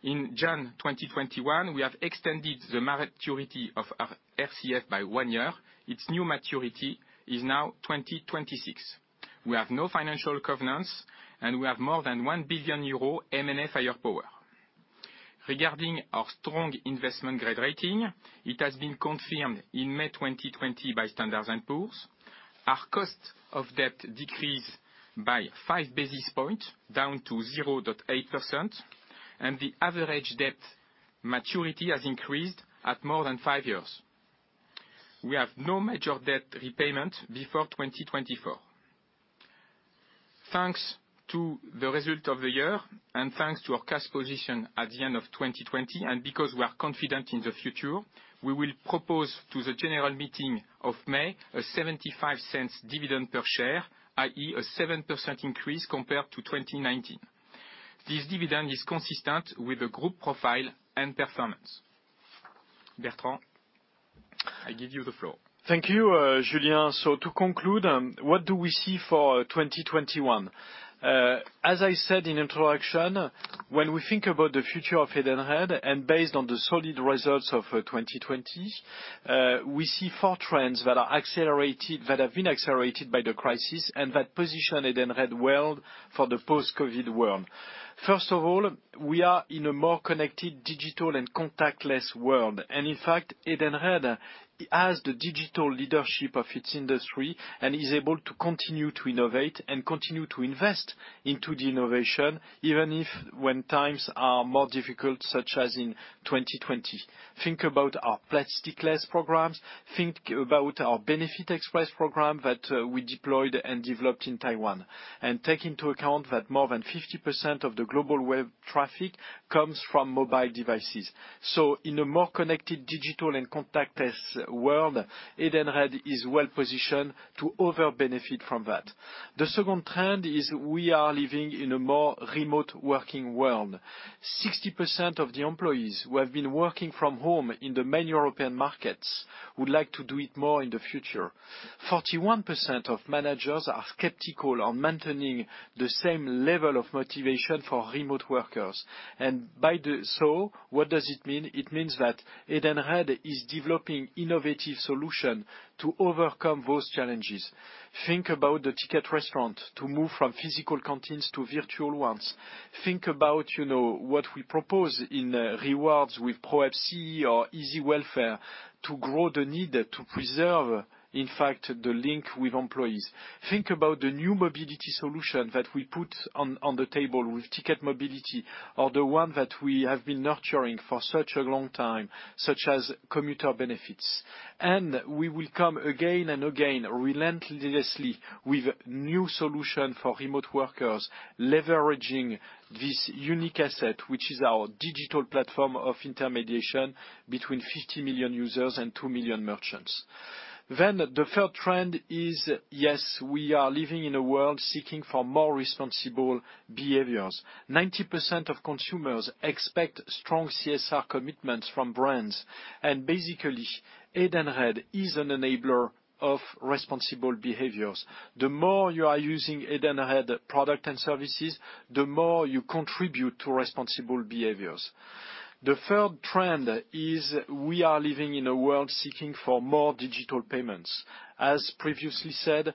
In June 2021, we have extended the maturity of our RCF by one year. Its new maturity is now 2026. We have no financial covenants, and we have more than 1 billion euro M&A firepower. Regarding our strong investment-grade rating, it has been confirmed in May 2020 by Standard & Poor's. Our cost of debt decreased by five basis points, down to 0.8%, and the average debt maturity has increased to more than five years. We have no major debt repayment before 2024. Thanks to the result of the year and thanks to our cash position at the end of 2020, and because we are confident in the future, we will propose to the general meeting of May a 0.75 dividend per share, i.e., a 7% increase compared to 2019. This dividend is consistent with the group profile and performance. Bertrand, I give you the floor. Thank you, Julien. To conclude, what do we see for 2021? As I said in the introduction, when we think about the future of Edenred and based on the solid results of 2020, we see four trends that have been accelerated by the crisis and that position Edenred well for the post-COVID world. First of all, we are in a more connected, digital, and contactless world. In fact, Edenred has the digital leadership of its industry and is able to continue to innovate and continue to invest into the innovation, even when times are more difficult, such as in 2020. Think about our plastic-less programs. Think about our Benefit Xpress program that we deployed and developed in Taiwan. Take into account that more than 50% of the global web traffic comes from mobile devices. In a more connected, digital, and contactless world, Edenred is well positioned to over-benefit from that. The second trend is we are living in a more remote working world. 60% of the employees who have been working from home in the main European markets would like to do it more in the future. 41% of managers are skeptical on maintaining the same level of motivation for remote workers. By so, what does it mean? It means that Edenred is developing innovative solutions to overcome those challenges. Think about the Ticket Restaurant to move from physical canteens to virtual ones. Think about what we propose in rewards with ProwebCE or Easy Welfare to grow the need to preserve, in fact, the link with employees. Think about the new mobility solution that we put on the table with Ticket Mobility or the one that we have been nurturing for such a long time, such as Commuter Benefits. And we will come again and again, relentlessly, with new solutions for remote workers, leveraging this unique asset, which is our digital platform of intermediation between 50 million users and two million merchants. Then the third trend is, yes, we are living in a world seeking for more responsible behaviors. 90% of consumers expect strong CSR commitments from brands. And basically, Edenred is an enabler of responsible behaviors. The more you are using Edenred products and services, the more you contribute to responsible behaviors. The third trend is we are living in a world seeking for more digital payments. As previously said,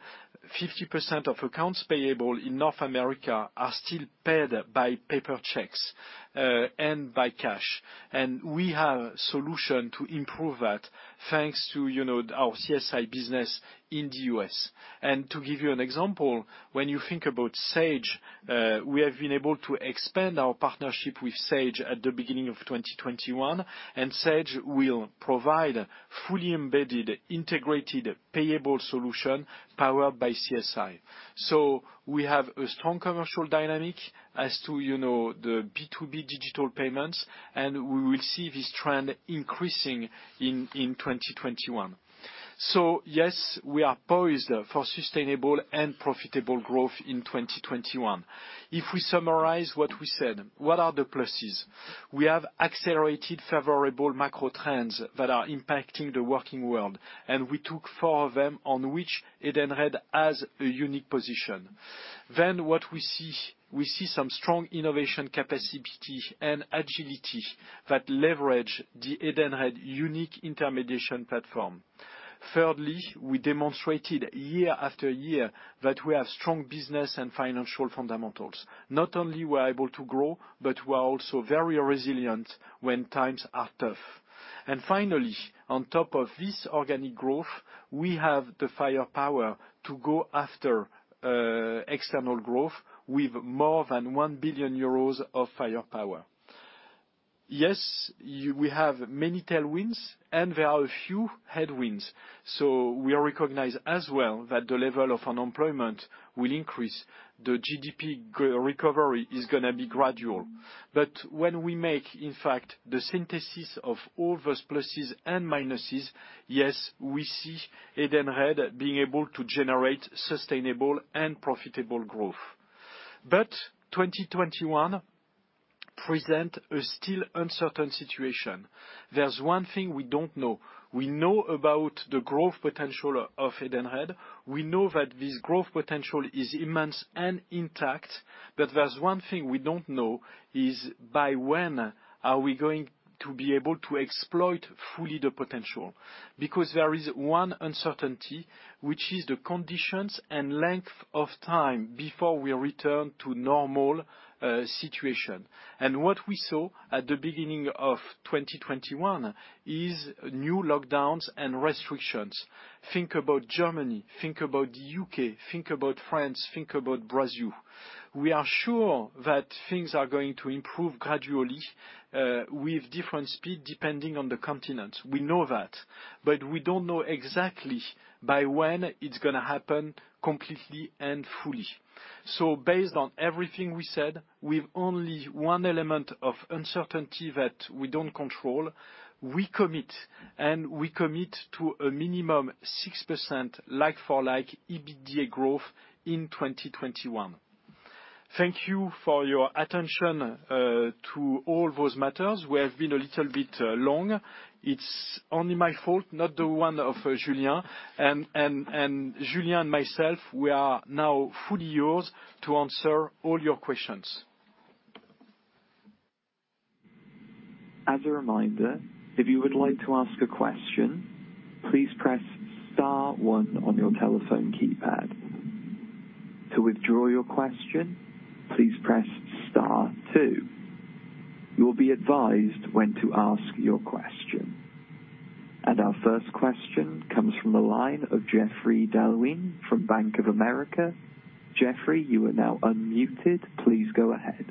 50% of accounts payable in North America are still paid by paper checks and by cash. And we have a solution to improve that thanks to our CSI business in the U.S. And to give you an example, when you think about Sage, we have been able to expand our partnership with Sage at the beginning of 2021, and Sage will provide a fully embedded, integrated, payable solution powered by CSI. So we have a strong commercial dynamic as to the B2B digital payments, and we will see this trend increasing in 2021. So yes, we are poised for sustainable and profitable growth in 2021. If we summarize what we said, what are the pluses? We have accelerated favorable macro trends that are impacting the working world, and we took four of them on which Edenred has a unique position. Then what we see, we see some strong innovation capacity and agility that leverage the Edenred unique intermediation platform. Thirdly, we demonstrated year after year that we have strong business and financial fundamentals. Not only were we able to grow, but we are also very resilient when times are tough, and finally, on top of this organic growth, we have the firepower to go after external growth with more than 1 billion euros of firepower. Yes, we have many tailwinds, and there are a few headwinds, so we recognize as well that the level of unemployment will increase. The GDP recovery is going to be gradual. But when we make, in fact, the synthesis of all those pluses and minuses, yes, we see Edenred being able to generate sustainable and profitable growth. But 2021 presents a still uncertain situation. There's one thing we don't know. We know about the growth potential of Edenred. We know that this growth potential is immense and intact, but there's one thing we don't know is by when are we going to be able to exploit fully the potential. Because there is one uncertainty, which is the conditions and length of time before we return to normal situation. And what we saw at the beginning of 2021 is new lockdowns and restrictions. Think about Germany. Think about the U.K. Think about France. Think about Brazil. We are sure that things are going to improve gradually with different speed depending on the continent. We know that. But we don't know exactly by when it's going to happen completely and fully. So based on everything we said, with only one element of uncertainty that we don't control, we commit. And we commit to a minimum 6% like-for-like EBITDA growth in 2021. Thank you for your attention to all those matters. We have been a little bit long. It's only my fault, not the one of Julien. And Julien and myself, we are now fully yours to answer all your questions. As a reminder, if you would like to ask a question, please press star one on your telephone keypad. To withdraw your question, please press star two. You will be advised when to ask your question. And our first question comes from the line of Geoffrey Goodwin from Bank of America. Geoffrey, you are now unmuted. Please go ahead.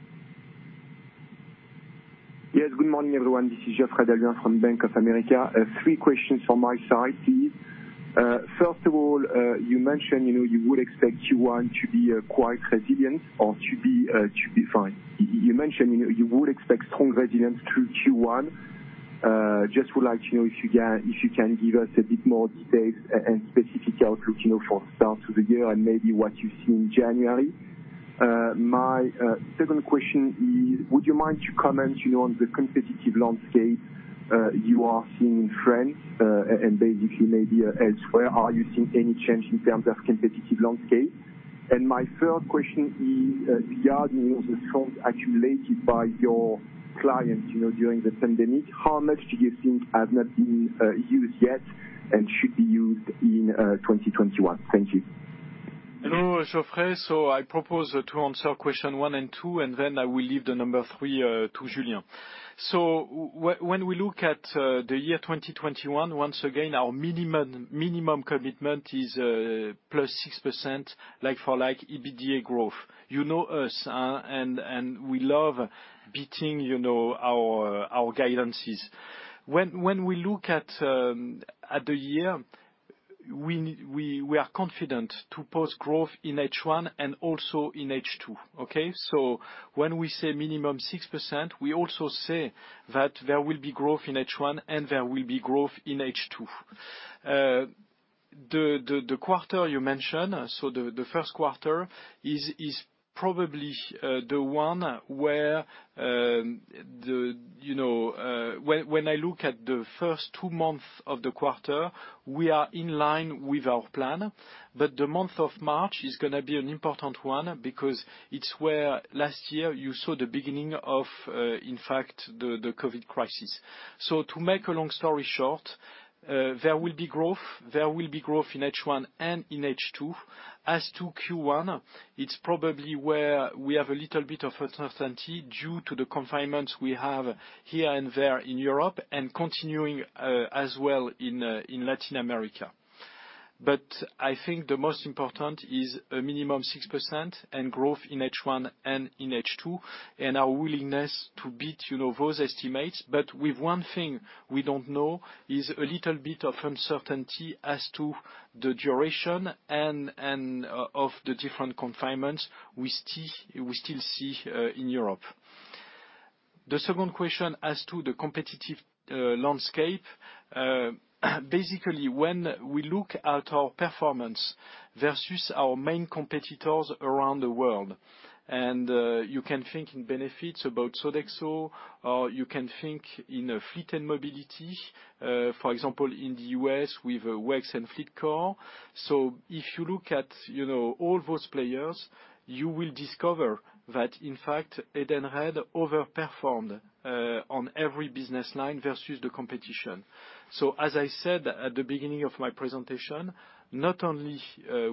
Yes, good morning, everyone. This is Geoffrey Goodwin from Bank of America. Three questions from my side. First of all, you mentioned you would expect Q1 to be quite resilient or to be fine. You mentioned you would expect strong resilience through Q1. Just would like to know if you can give us a bit more details and specific outlook for the start of the year and maybe what you see in January. My second question is, would you mind to comment on the competitive landscape you are seeing in France and basically maybe elsewhere? Are you seeing any change in terms of competitive landscape? And my third question is, beyond the funds accumulated by your clients during the pandemic, how much do you think has not been used yet and should be used in 2021? Thank you. Hello, Geoffrey. So, I propose to answer question one and two, and then I will leave the number three to Julien. So when we look at the year 2021, once again, our minimum commitment is plus 6% like-for-like EBITDA growth. You know us, and we love beating our guidances. When we look at the year, we are confident to post growth in H1 and also in H2. Okay? So when we say minimum 6%, we also say that there will be growth in H1 and there will be growth in H2. The quarter you mentioned, so the first quarter, is probably the one where when I look at the first two months of the quarter, we are in line with our plan. But the month of March is going to be an important one because it's where last year you saw the beginning of, in fact, the COVID crisis. So to make a long story short, there will be growth. There will be growth in H1 and in H2. As to Q1, it's probably where we have a little bit of uncertainty due to the confinements we have here and there in Europe and continuing as well in Latin America. But I think the most important is a minimum 6% and growth in H1 and in H2 and our willingness to beat those estimates. But with one thing we don't know is a little bit of uncertainty as to the duration of the different confinements we still see in Europe. The second question as to the competitive landscape, basically, when we look at our performance versus our main competitors around the world, and you can think in benefits about Sodexo, or you can think in fleet and mobility, for example, in the U.S. with WEX and FleetCor. If you look at all those players, you will discover that, in fact, Edenred overperformed on every business line versus the competition, so as I said at the beginning of my presentation, not only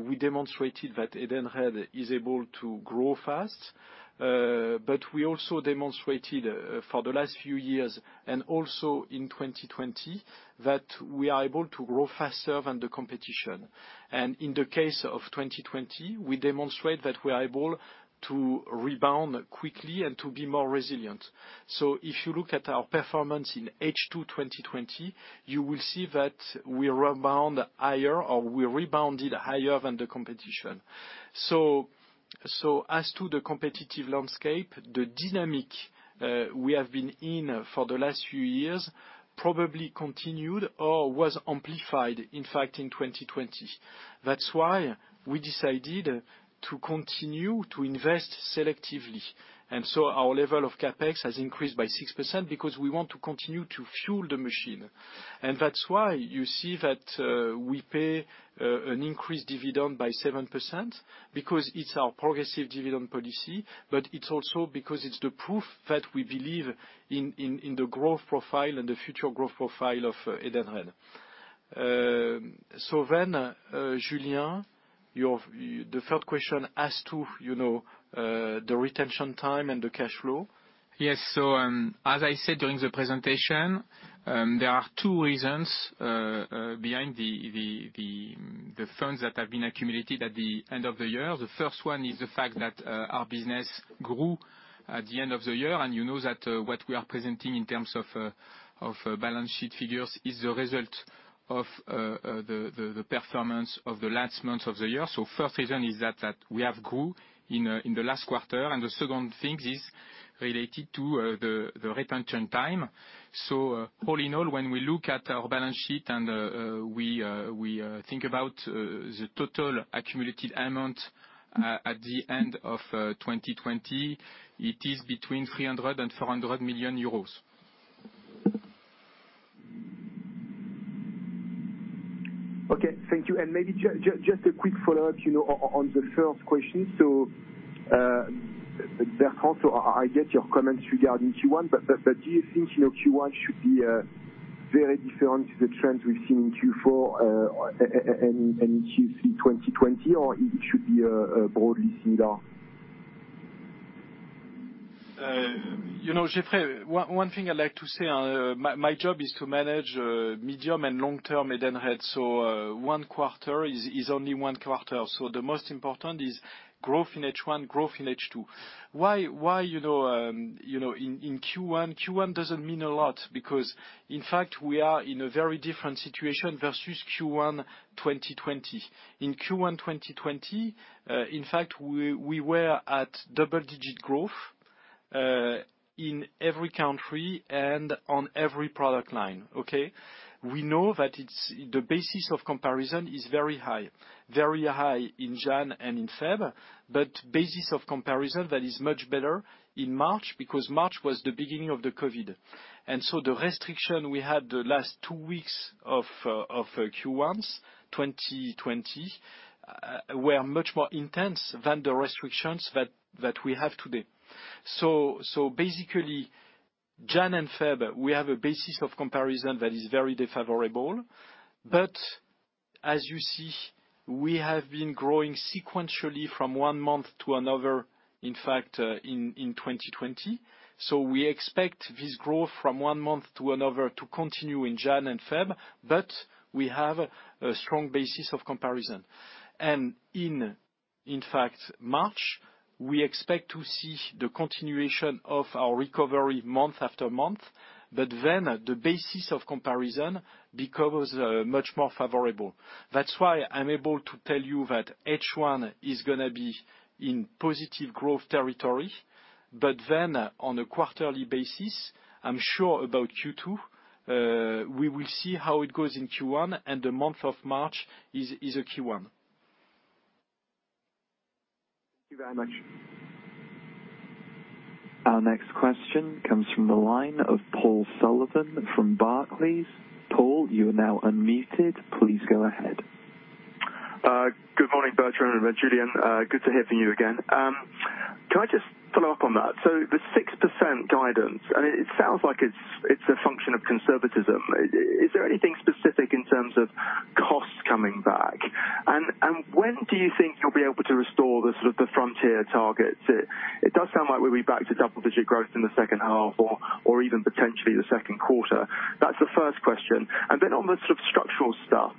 we demonstrated that Edenred is able to grow fast, but we also demonstrated for the last few years and also in 2020 that we are able to grow faster than the competition, and in the case of 2020, we demonstrate that we are able to rebound quickly and to be more resilient, so if you look at our performance in H2 2020, you will see that we rebound higher or we rebounded higher than the competition, so as to the competitive landscape, the dynamic we have been in for the last few years probably continued or was amplified, in fact, in 2020. That's why we decided to continue to invest selectively. Our level of CapEx has increased by 6% because we want to continue to fuel the machine. That's why you see that we pay an increased dividend by 7% because it's our progressive dividend policy, but it's also because it's the proof that we believe in the growth profile and the future growth profile of Edenred. Then, Julien, the third question as to the retention time and the cash flow. Yes. As I said during the presentation, there are two reasons behind the funds that have been accumulated at the end of the year. The first one is the fact that our business grew at the end of the year. You know that what we are presenting in terms of balance sheet figures is the result of the performance of the last months of the year. The first reason is that we have grown in the last quarter. The second thing is related to the retention time. All in all, when we look at our balance sheet and we think about the total accumulated amount at the end of 2020, it is between 300 million and 400 million euros. Okay. Thank you. Maybe just a quick follow-up on the first question. Bertrand, I get your comments regarding Q1, but do you think Q1 should be very different to the trends we've seen in Q4 and Q3 2020, or it should be broadly similar? Geoffrey, one thing I'd like to say, my job is to manage medium- and long-term Edenred. One quarter is only one quarter. The most important is growth in H1, growth in H2. Why in Q1? Q1 doesn't mean a lot because, in fact, we are in a very different situation versus Q1 2020. In Q1 2020, in fact, we were at double-digit growth in every country and on every product line. Okay? We know that the basis of comparison is very high, very high in January and in February, but the basis of comparison that is much better in March because March was the beginning of the COVID. And so the restriction we had the last two weeks of Q1 2020 were much more intense than the restrictions that we have today. So basically, January and February, we have a basis of comparison that is very unfavorable. But as you see, we have been growing sequentially from one month to another, in fact, in 2020. So we expect this growth from one month to another to continue in January and February, but we have a strong basis of comparison. And in fact, March, we expect to see the continuation of our recovery month after month, but then the basis of comparison becomes much more favorable. That's why I'm able to tell you that H1 is going to be in positive growth territory. But then on a quarterly basis, I'm sure about Q2, we will see how it goes in Q1, and the month of March is a Q1. Thank you very much. Our next question comes from the line of Paul Sullivan from Barclays. Paul, you are now unmuted. Please go ahead. Good morning, Bertrand and Julien. Good to hear from you again. Can I just follow up on that? So the 6% guidance, it sounds like it's a function of conservatism. Is there anything specific in terms of costs coming back? And when do you think you'll be able to restore the sort of the frontier targets? It does sound like we'll be back to double-digit growth in the second half or even potentially the second quarter. That's the first question. And then on the sort of structural stuff,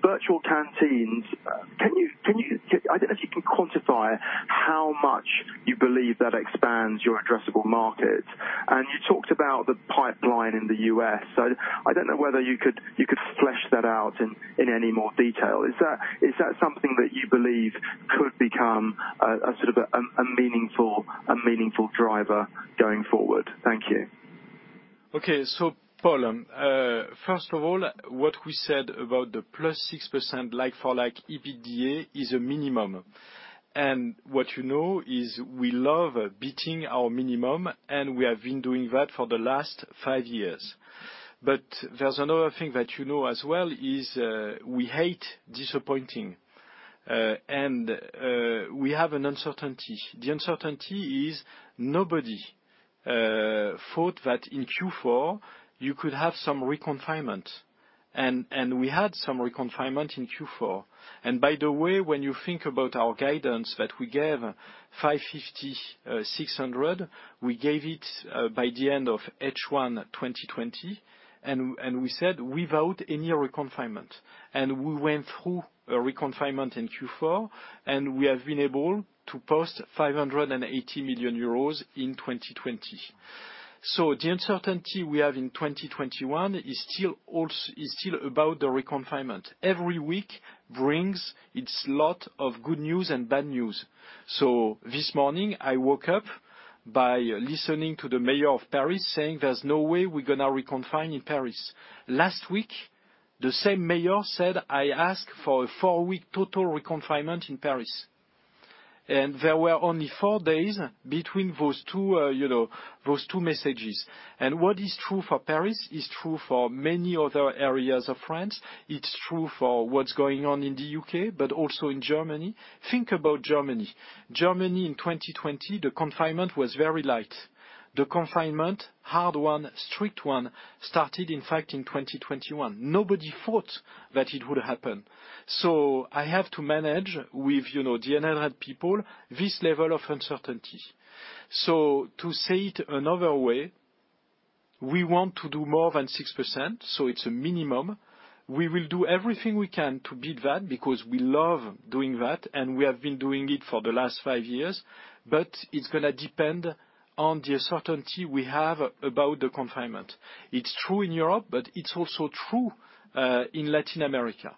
virtual canteens, I don't know if you can quantify how much you believe that expands your addressable market. And you talked about the pipeline in the U.S. I don't know whether you could flesh that out in any more detail. Is that something that you believe could become a sort of a meaningful driver going forward? Thank you. Okay. So Paul, first of all, what we said about the plus 6% like-for-like EBITDA is a minimum. What you know is we love beating our minimum, and we have been doing that for the last five years. There's another thing that you know as well is we hate disappointing. We have an uncertainty. The uncertainty is nobody thought that in Q4, you could have some reconfinement. We had some reconfinement in Q4. By the way, when you think about our guidance that we gave 550 million-600 million, we gave it by the end of H1 2020. We said without any reconfinement. We went through a reconfinement in Q4, and we have been able to post 580 million euros in 2020. The uncertainty we have in 2021 is still about the reconfinement. Every week brings its lot of good news and bad news. This morning, I woke up by listening to the mayor of Paris saying there's no way we're going to reconfine in Paris. Last week, the same mayor said, "I ask for a four-week total reconfinement in Paris." And there were only four days between those two messages. And what is true for Paris is true for many other areas of France. It's true for what's going on in the U.K., but also in Germany. Think about Germany. Germany in 2020, the confinement was very light. The confinement, hard one, strict one, started in fact in 2021. Nobody thought that it would happen. So I have to manage with the Edenred people this level of uncertainty. So to say it another way, we want to do more than 6%. So it's a minimum. We will do everything we can to beat that because we love doing that, and we have been doing it for the last five years. But it's going to depend on the uncertainty we have about the confinement. It's true in Europe, but it's also true in Latin America.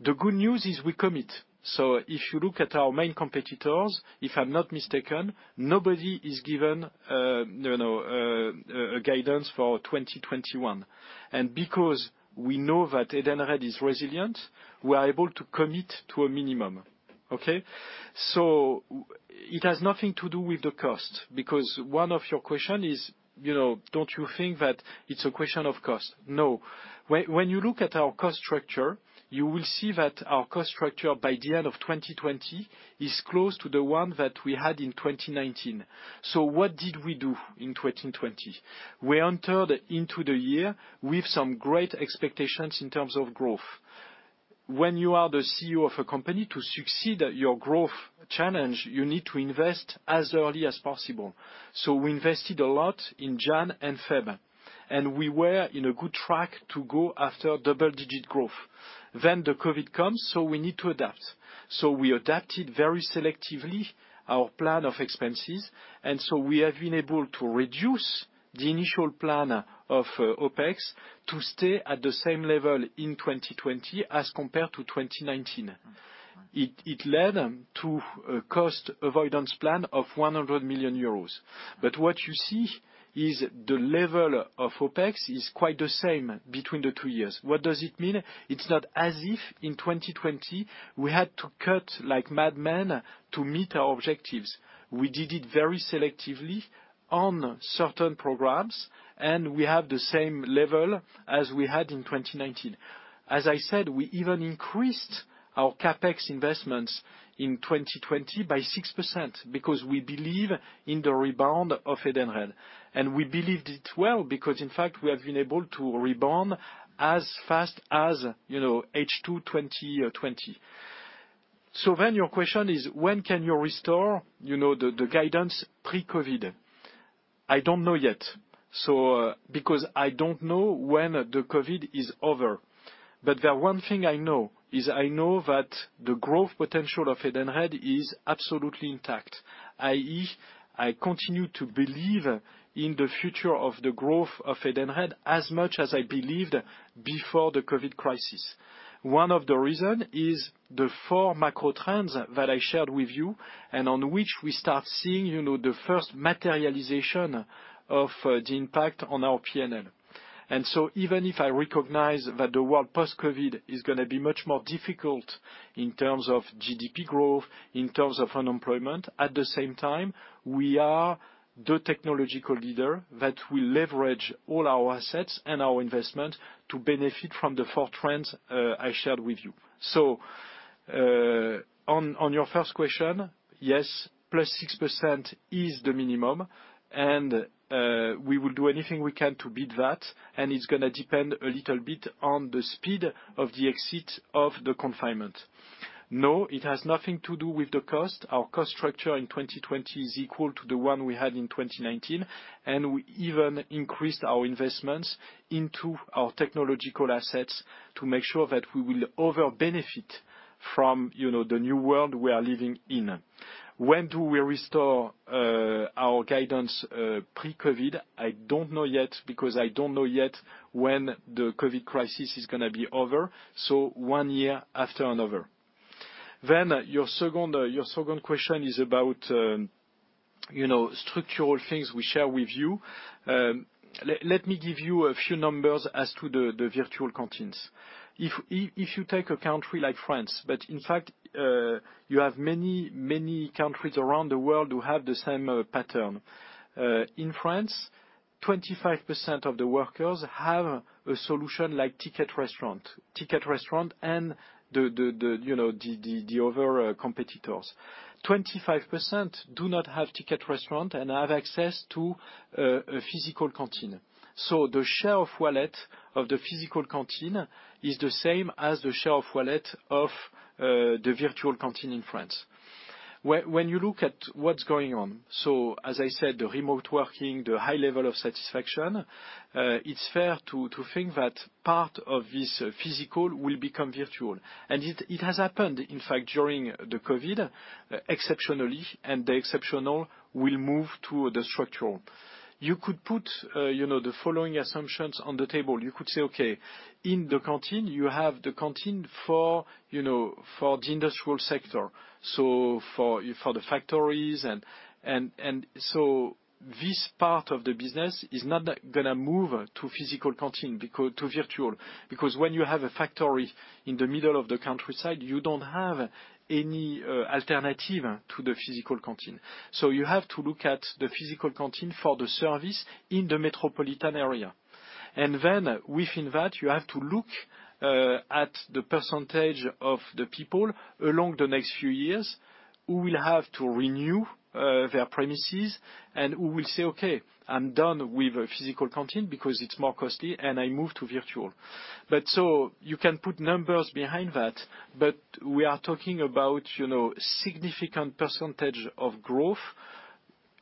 The good news is we commit. So if you look at our main competitors, if I'm not mistaken, nobody is given a guidance for 2021. And because we know that Edenred is resilient, we are able to commit to a minimum. Okay? So it has nothing to do with the cost because one of your questions is, don't you think that it's a question of cost? No. When you look at our cost structure, you will see that our cost structure by the end of 2020 is close to the one that we had in 2019. So what did we do in 2020? We entered into the year with some great expectations in terms of growth. When you are the CEO of a company, to succeed at your growth challenge, you need to invest as early as possible. So we invested a lot in January and February, and we were in a good track to go after double-digit growth. Then the COVID comes, so we need to adapt. So we adapted very selectively our plan of expenses. And so we have been able to reduce the initial plan of OpEx to stay at the same level in 2020 as compared to 2019. It led to a cost avoidance plan of 100 million euros. But what you see is the level of OpEx is quite the same between the two years. What does it mean? It's not as if in 2020 we had to cut like madmen to meet our objectives. We did it very selectively on certain programs, and we have the same level as we had in 2019. As I said, we even increased our CapEx investments in 2020 by 6% because we believe in the rebound of Edenred, and we believed it well because, in fact, we have been able to rebound as fast as H2 2020, so then your question is, when can you restore the guidance pre-COVID? I don't know yet because I don't know when the COVID is over, but the one thing I know is I know that the growth potential of Edenred is absolutely intact, i.e., I continue to believe in the future of the growth of Edenred as much as I believed before the COVID crisis. One of the reasons is the four macro trends that I shared with you and on which we start seeing the first materialization of the impact on our P&L. And so even if I recognize that the world post-COVID is going to be much more difficult in terms of GDP growth, in terms of unemployment, at the same time, we are the technological leader that will leverage all our assets and our investment to benefit from the four trends I shared with you. So on your first question, yes, +6% is the minimum, and we will do anything we can to beat that. And it's going to depend a little bit on the speed of the exit of the confinement. No, it has nothing to do with the cost. Our cost structure in 2020 is equal to the one we had in 2019, and we even increased our investments into our technological assets to make sure that we will over-benefit from the new world we are living in. When do we restore our guidance pre-COVID? I don't know yet because I don't know yet when the COVID crisis is going to be over. So one year after another. Then your second question is about structural things we share with you. Let me give you a few numbers as to the virtual canteens. If you take a country like France, but in fact, you have many, many countries around the world who have the same pattern. In France, 25% of the workers have a solution like Ticket Restaurant, Ticket Restaurant, and the other competitors. 25% do not have Ticket Restaurant and have access to a physical canteen. So the share of wallet of the physical canteen is the same as the share of wallet of the virtual canteen in France. When you look at what's going on, so as I said, the remote working, the high level of satisfaction, it's fair to think that part of this physical will become virtual. And it has happened, in fact, during the COVID exceptionally, and the exceptional will move to the structural. You could put the following assumptions on the table. You could say, "Okay, in the canteen, you have the canteen for the industrial sector, so for the factories." And so this part of the business is not going to move to physical canteen to virtual because when you have a factory in the middle of the countryside, you don't have any alternative to the physical canteen. So you have to look at the physical canteen for the service in the metropolitan area. And then within that, you have to look at the percentage of the people along the next few years who will have to renew their premises and who will say, "Okay, I'm done with a physical canteen because it's more costly, and I move to virtual." But so you can put numbers behind that, but we are talking about significant percentage of growth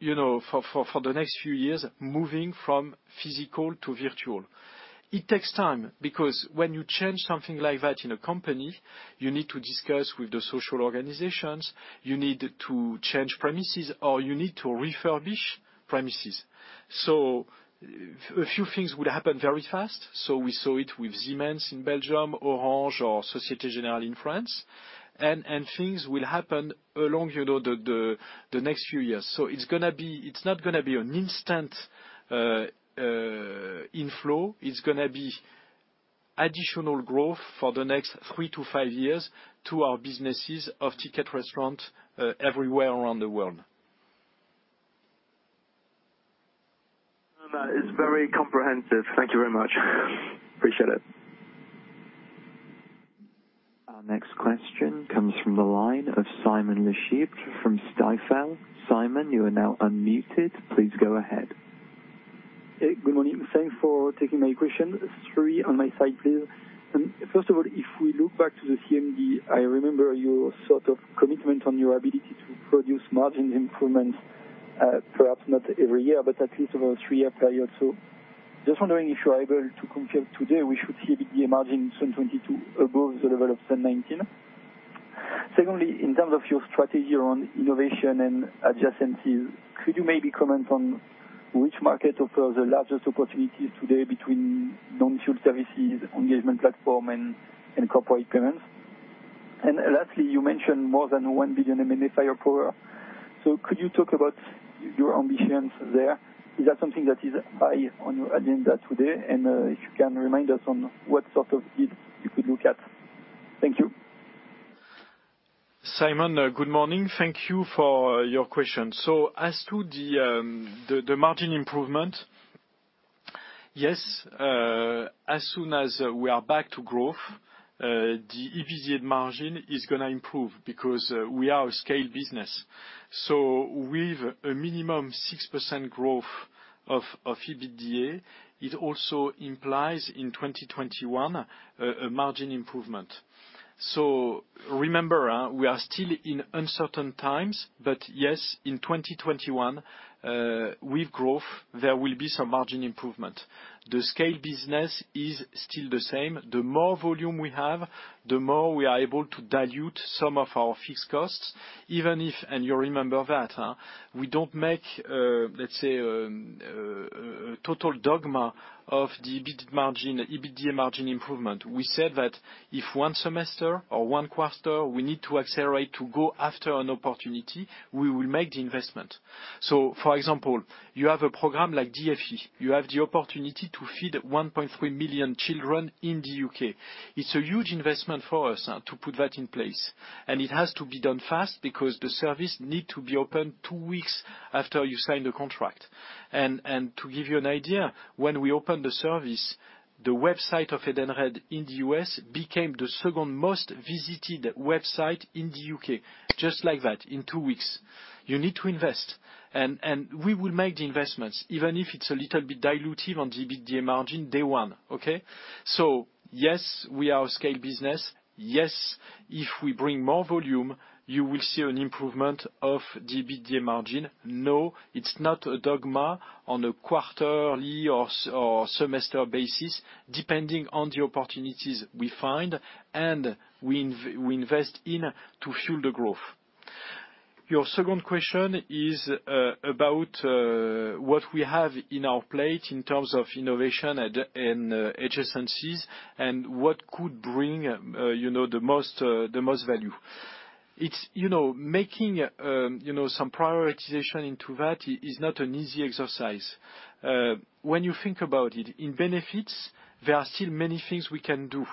for the next few years moving from physical to virtual. It takes time because when you change something like that in a company, you need to discuss with the social organizations, you need to change premises, or you need to refurbish premises. So a few things will happen very fast. So we saw it with Siemens in Belgium, Orange, or Société Générale in France. Things will happen along the next few years. It's not going to be an instant inflow. It's going to be additional growth for the next three to five years to our businesses of Ticket Restaurant everywhere around the world. It's very comprehensive. Thank you very much. Appreciate it. Our next question comes from the line of Simon Lechipre from Stifel. Simon, you are now unmuted. Please go ahead. Good morning. Thanks for taking my question. Three on my side, please. First of all, if we look back to the CMD, I remember your sort of commitment on your ability to produce margin improvements, perhaps not every year, but at least over a three-year period. Just wondering if you're able to comment today whether we should see a B2B margin in 2022 above the level of 2019. Secondly, in terms of your strategy around innovation and adjacencies, could you maybe comment on which market offers the largest opportunities today between non-fuel services, engagement platform, and corporate payments? And lastly, you mentioned more than 1 billion MNFI per year. So could you talk about your ambitions there? Is that something that is high on your agenda today? And if you can remind us on what sort of build you could look at. Thank you. Simon, good morning. Thank you for your question. So as to the margin improvement, yes, as soon as we are back to growth, the EBITDA margin is going to improve because we are a scale business. So with a minimum 6% growth of EBITDA, it also implies in 2021 a margin improvement. So remember, we are still in uncertain times, but yes, in 2021, with growth, there will be some margin improvement. The scale business is still the same. The more volume we have, the more we are able to dilute some of our fixed costs, even if, and you remember that, we don't make, let's say, a total dogma of the EBITDA margin improvement. We said that if one semester or one quarter, we need to accelerate to go after an opportunity, we will make the investment. So, for example, you have a program like DFE. You have the opportunity to feed 1.3 million children in the UK. It's a huge investment for us to put that in place. And it has to be done fast because the service needs to be opened two weeks after you sign the contract. And to give you an idea, when we opened the service, the website of Edenred in the U.S. became the second most visited website in the U.K., just like that, in two weeks. You need to invest. And we will make the investments, even if it's a little bit dilutive on the EBITDA margin day one. Okay? So yes, we are a scale business. Yes, if we bring more volume, you will see an improvement of the EBITDA margin. No, it's not a dogma on a quarterly or semester basis, depending on the opportunities we find and we invest in to fuel the growth. Your second question is about what we have in our plate in terms of innovation and adjacencies and what could bring the most value. Making some prioritization into that is not an easy exercise. When you think about it, in benefits, there are still many things we can do.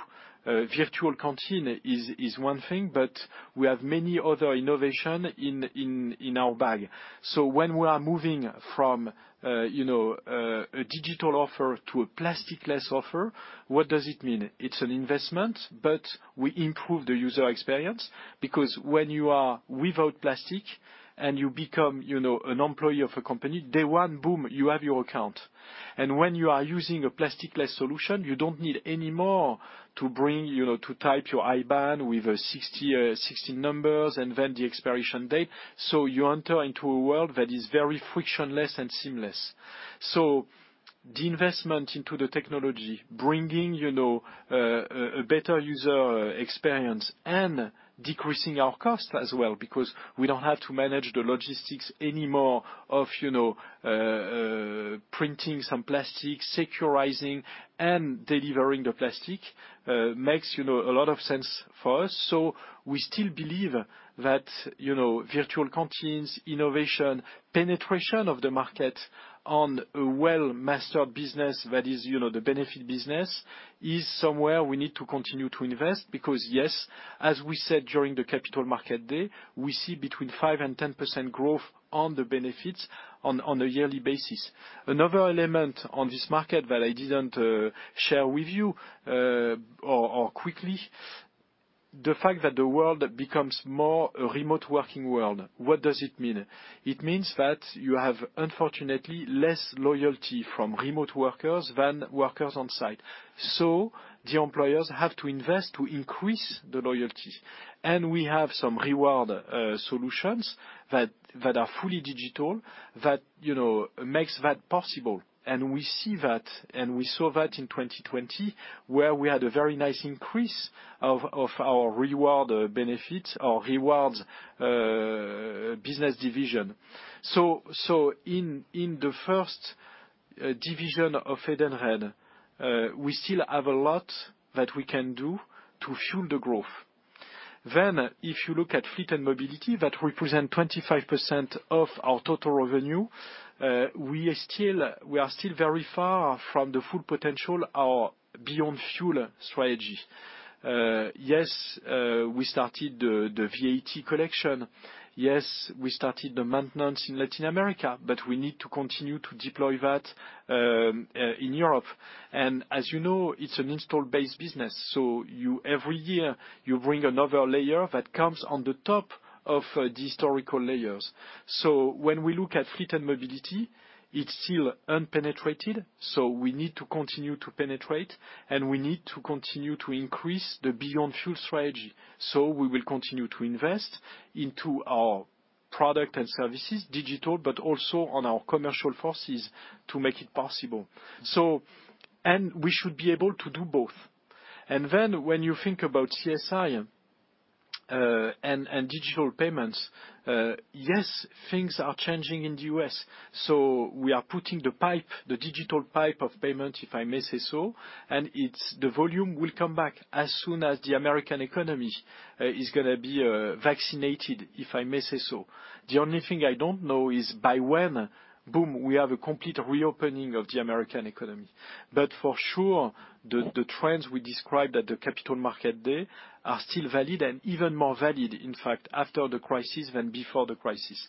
Virtual canteen is one thing, but we have many other innovations in our bag, so when we are moving from a digital offer to a plastic-less offer, what does it mean? It's an investment, but we improve the user experience because when you are without plastic and you become an employee of a company, day one, boom, you have your account, and when you are using a plastic-less solution, you don't need anymore to type your IBAN with 60 numbers and then the expiration date, so you enter into a world that is very frictionless and seamless. The investment into the technology, bringing a better user experience and decreasing our cost as well because we don't have to manage the logistics anymore of printing some plastic, securing, and delivering the plastic makes a lot of sense for us. We still believe that virtual canteens, innovation, penetration of the market on a well-mastered business that is the benefit business is somewhere we need to continue to invest because, yes, as we said during the Capital Market Day, we see between 5% and 10% growth on the benefits on a yearly basis. Another element on this market that I didn't share with you or quickly, the fact that the world becomes more a remote working world, what does it mean? It means that you have, unfortunately, less loyalty from remote workers than workers on site. The employers have to invest to increase the loyalty. And we have some reward solutions that are fully digital that makes that possible. And we see that, and we saw that in 2020, where we had a very nice increase of our reward benefits or rewards business division. So in the first division of Edenred, we still have a lot that we can do to fuel the growth. Then, if you look at fleet and mobility that represent 25% of our total revenue, we are still very far from the full potential or Beyond Fuel strategy. Yes, we started the VAT collection. Yes, we started the maintenance in Latin America, but we need to continue to deploy that in Europe. And as you know, it's an install-based business. So every year, you bring another layer that comes on the top of the historical layers. So when we look at fleet and mobility, it's still unpenetrated. We need to continue to penetrate, and we need to continue to increase the Beyond Fuel strategy. We will continue to invest into our product and services, digital, but also on our commercial forces to make it possible. We should be able to do both. Then when you think about CSI and digital payments, yes, things are changing in the U.S. We are putting the pipe, the digital pipe of payment, if I may say so, and the volume will come back as soon as the American economy is going to be vaccinated, if I may say so. The only thing I don't know is by when, boom, we have a complete reopening of the American economy. For sure, the trends we described at the Capital Markets Day are still valid and even more valid, in fact, after the crisis than before the crisis.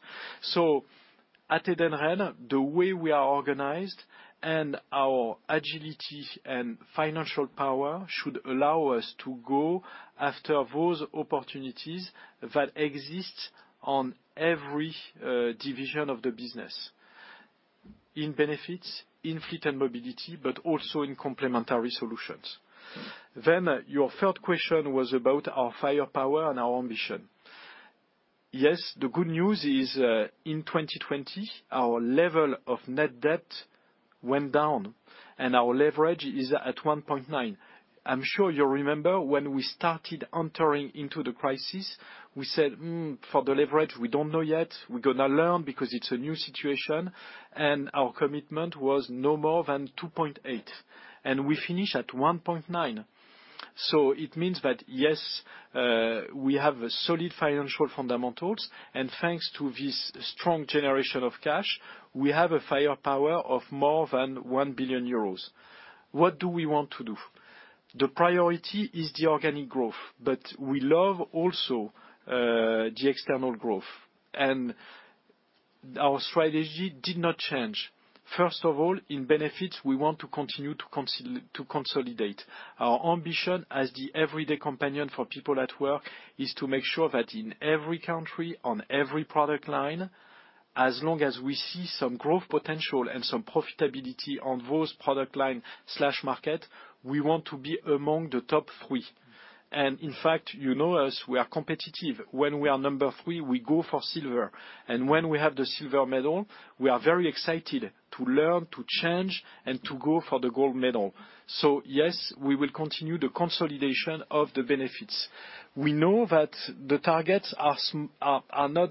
At Edenred, the way we are organized and our agility and financial power should allow us to go after those opportunities that exist on every division of the business, in benefits, in fleet and mobility, but also in complementary solutions. Your third question was about our firepower and our ambition. Yes, the good news is in 2020, our level of net debt went down, and our leverage is at 1.9%. I'm sure you remember when we started entering into the crisis, we said, "For the leverage, we don't know yet. We're going to learn because it's a new situation." Our commitment was no more than 2.8%. We finished at 1.9%. It means that, yes, we have solid financial fundamentals, and thanks to this strong generation of cash, we have a firepower of more than 1 billion euros. What do we want to do? The priority is the organic growth, but we love also the external growth. Our strategy did not change. First of all, in benefits, we want to continue to consolidate. Our ambition as the everyday companion for people at work is to make sure that in every country, on every product line, as long as we see some growth potential and some profitability on those product line/market, we want to be among the top three. In fact, you know us, we are competitive. When we are number three, we go for silver. When we have the silver medal, we are very excited to learn, to change, and to go for the gold medal. Yes, we will continue the consolidation of the benefits. We know that the targets are not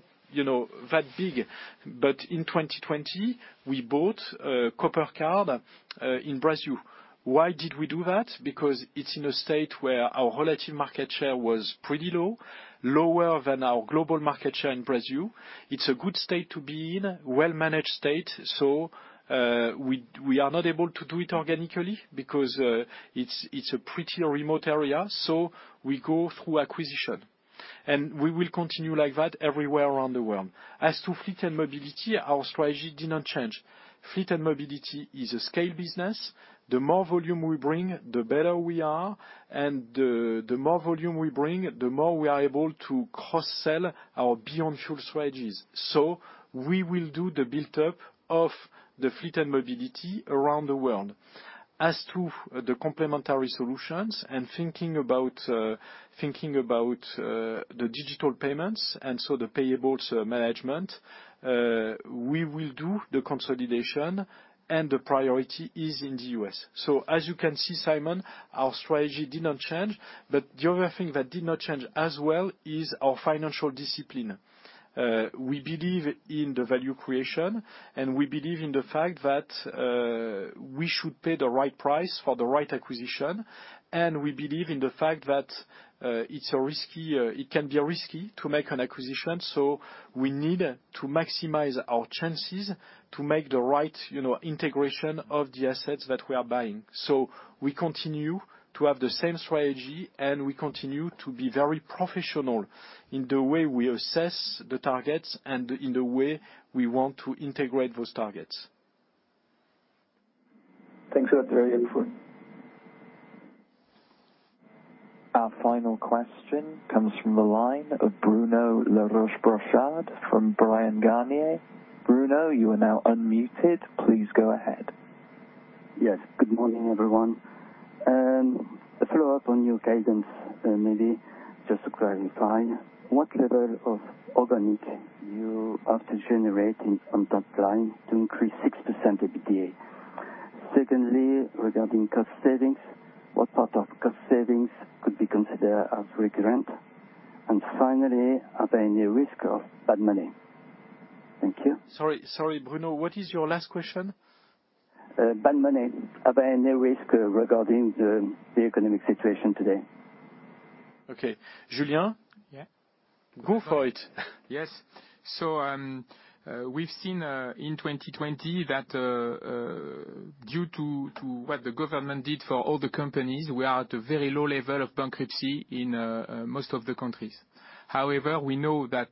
that big, but in 2020, we bought a Cooper Card in Brazil. Why did we do that? Because it's in a state where our relative market share was pretty low, lower than our global market share in Brazil. It's a good state to be in, well-managed state. So we are not able to do it organically because it's a pretty remote area. So we go through acquisition. And we will continue like that everywhere around the world. As to fleet and mobility, our strategy did not change. Fleet and mobility is a scale business. The more volume we bring, the better we are. And the more volume we bring, the more we are able to cross-sell our beyond fuel strategies. So we will do the build-up of the fleet and mobility around the world. As to the complementary solutions and thinking about the digital payments and so the payables management, we will do the consolidation, and the priority is in the U.S. So as you can see, Simon, our strategy did not change. But the other thing that did not change as well is our financial discipline. We believe in the value creation, and we believe in the fact that we should pay the right price for the right acquisition. And we believe in the fact that it can be risky to make an acquisition. So we need to maximize our chances to make the right integration of the assets that we are buying. So we continue to have the same strategy, and we continue to be very professional in the way we assess the targets and in the way we want to integrate those targets. Thanks for that very information. Our final question comes from the line of Bruno La Rochebrochard from Bryan Garnier. Bruno, you are now unmuted. Please go ahead. Yes. Good morning, everyone. A follow-up on your guidance, maybe just to clarify. What level of organic you have to generate on top line to increase 6% EBITDA? Secondly, regarding cost savings, what part of cost savings could be considered as recurrent? And finally, are there any risks of bad money? Thank you. Sorry, Bruno, what is your last question? Bad money. Are there any risks regarding the economic situation today? Okay. Julien? Yeah. Go for it. Yes. So we've seen in 2020 that due to what the government did for all the companies, we are at a very low level of bankruptcy in most of the countries. However, we know that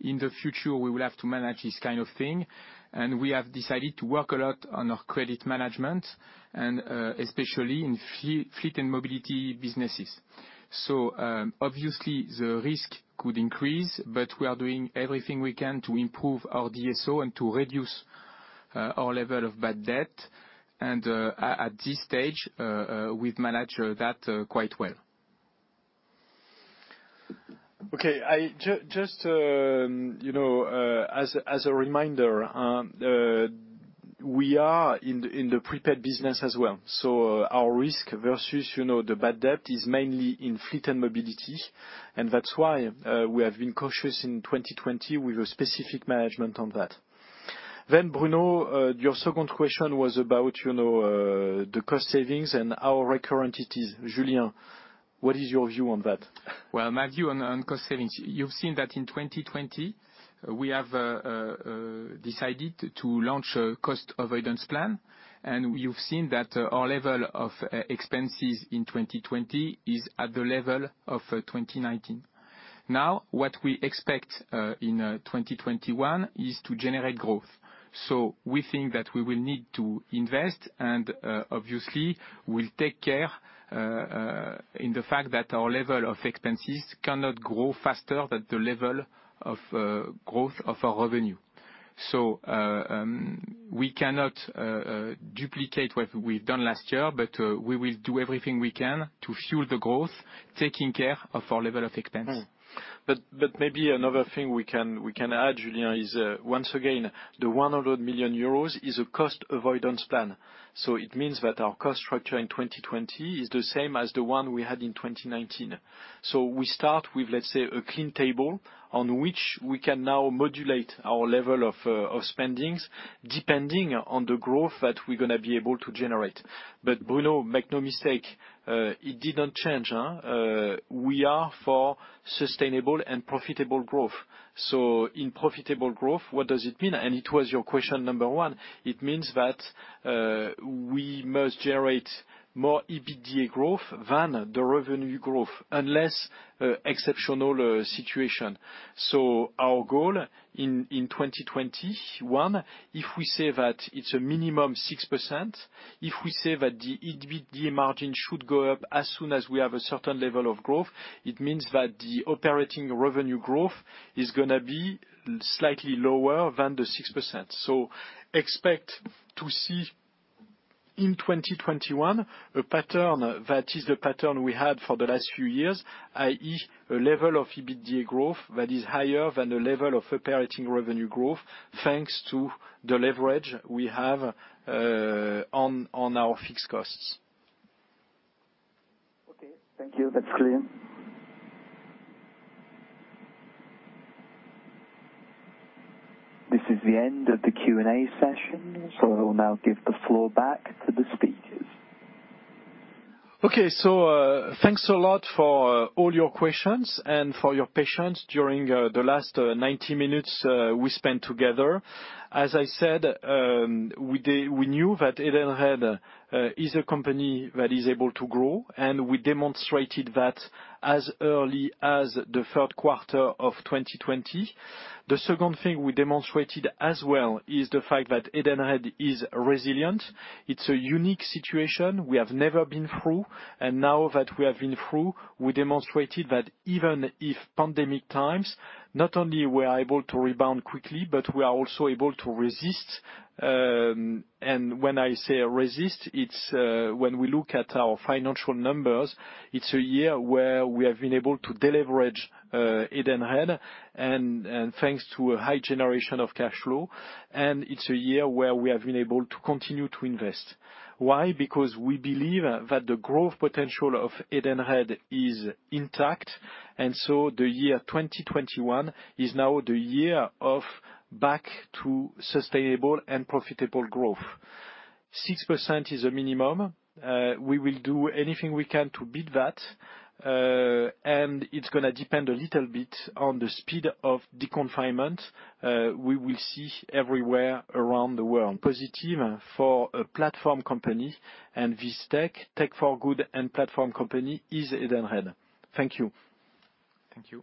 in the future, we will have to manage this kind of thing. And we have decided to work a lot on our credit management, and especially in fleet and mobility businesses. So obviously, the risk could increase, but we are doing everything we can to improve our DSO and to reduce our level of bad debt. And at this stage, we've managed that quite well. Okay. Just as a reminder, we are in the prepaid business as well. So our risk versus the bad debt is mainly in fleet and mobility. And that's why we have been cautious in 2020 with a specific management on that. Then, Bruno, your second question was about the cost savings and how recurrent it is. Julien, what is your view on that? Well, my view on cost savings, you've seen that in 2020, we have decided to launch a cost avoidance plan. And you've seen that our level of expenses in 2020 is at the level of 2019. Now, what we expect in 2021 is to generate growth. We think that we will need to invest, and obviously, we'll take care in the fact that our level of expenses cannot grow faster than the level of growth of our revenue. We cannot duplicate what we've done last year, but we will do everything we can to fuel the growth, taking care of our level of expense. But maybe another thing we can add, Julien, is once again, the 100 million euros is a cost avoidance plan. It means that our cost structure in 2020 is the same as the one we had in 2019. We start with, let's say, a clean table on which we can now modulate our level of spendings depending on the growth that we're going to be able to generate. But Bruno, make no mistake, it did not change. We are for sustainable and profitable growth. So in profitable growth, what does it mean? And it was your question number one. It means that we must generate more EBITDA growth than the revenue growth, unless exceptional situation. So our goal in 2021, if we say that it's a minimum 6%, if we say that the EBITDA margin should go up as soon as we have a certain level of growth, it means that the operating revenue growth is going to be slightly lower than the 6%. So expect to see in 2021 a pattern that is the pattern we had for the last few years, i.e., a level of EBITDA growth that is higher than the level of operating revenue growth thanks to the leverage we have on our fixed costs. Okay. Thank you. That's clear. This is the end of the Q&A session. So I will now give the floor back to the speakers. Okay. So thanks a lot for all your questions and for your patience during the last 90 minutes we spent together. As I said, we knew that Edenred is a company that is able to grow, and we demonstrated that as early as the third quarter of 2020. The second thing we demonstrated as well is the fact that Edenred is resilient. It's a unique situation we have never been through. And now that we have been through, we demonstrated that even in pandemic times, not only were we able to rebound quickly, but we are also able to resist. And when I say resist, it's when we look at our financial numbers, it's a year where we have been able to deleverage Edenred, and thanks to a high generation of cash flow, and it's a year where we have been able to continue to invest. Why? Because we believe that the growth potential of Edenred is intact. And so the year 2021 is now the year of back to sustainable and profitable growth. 6% is a minimum. We will do anything we can to beat that. And it's going to depend a little bit on the speed of deconfinement we will see everywhere around the world. Positive for a platform company and VSTEC, Tech for Good and Platform Company is Edenred. Thank you. Thank you.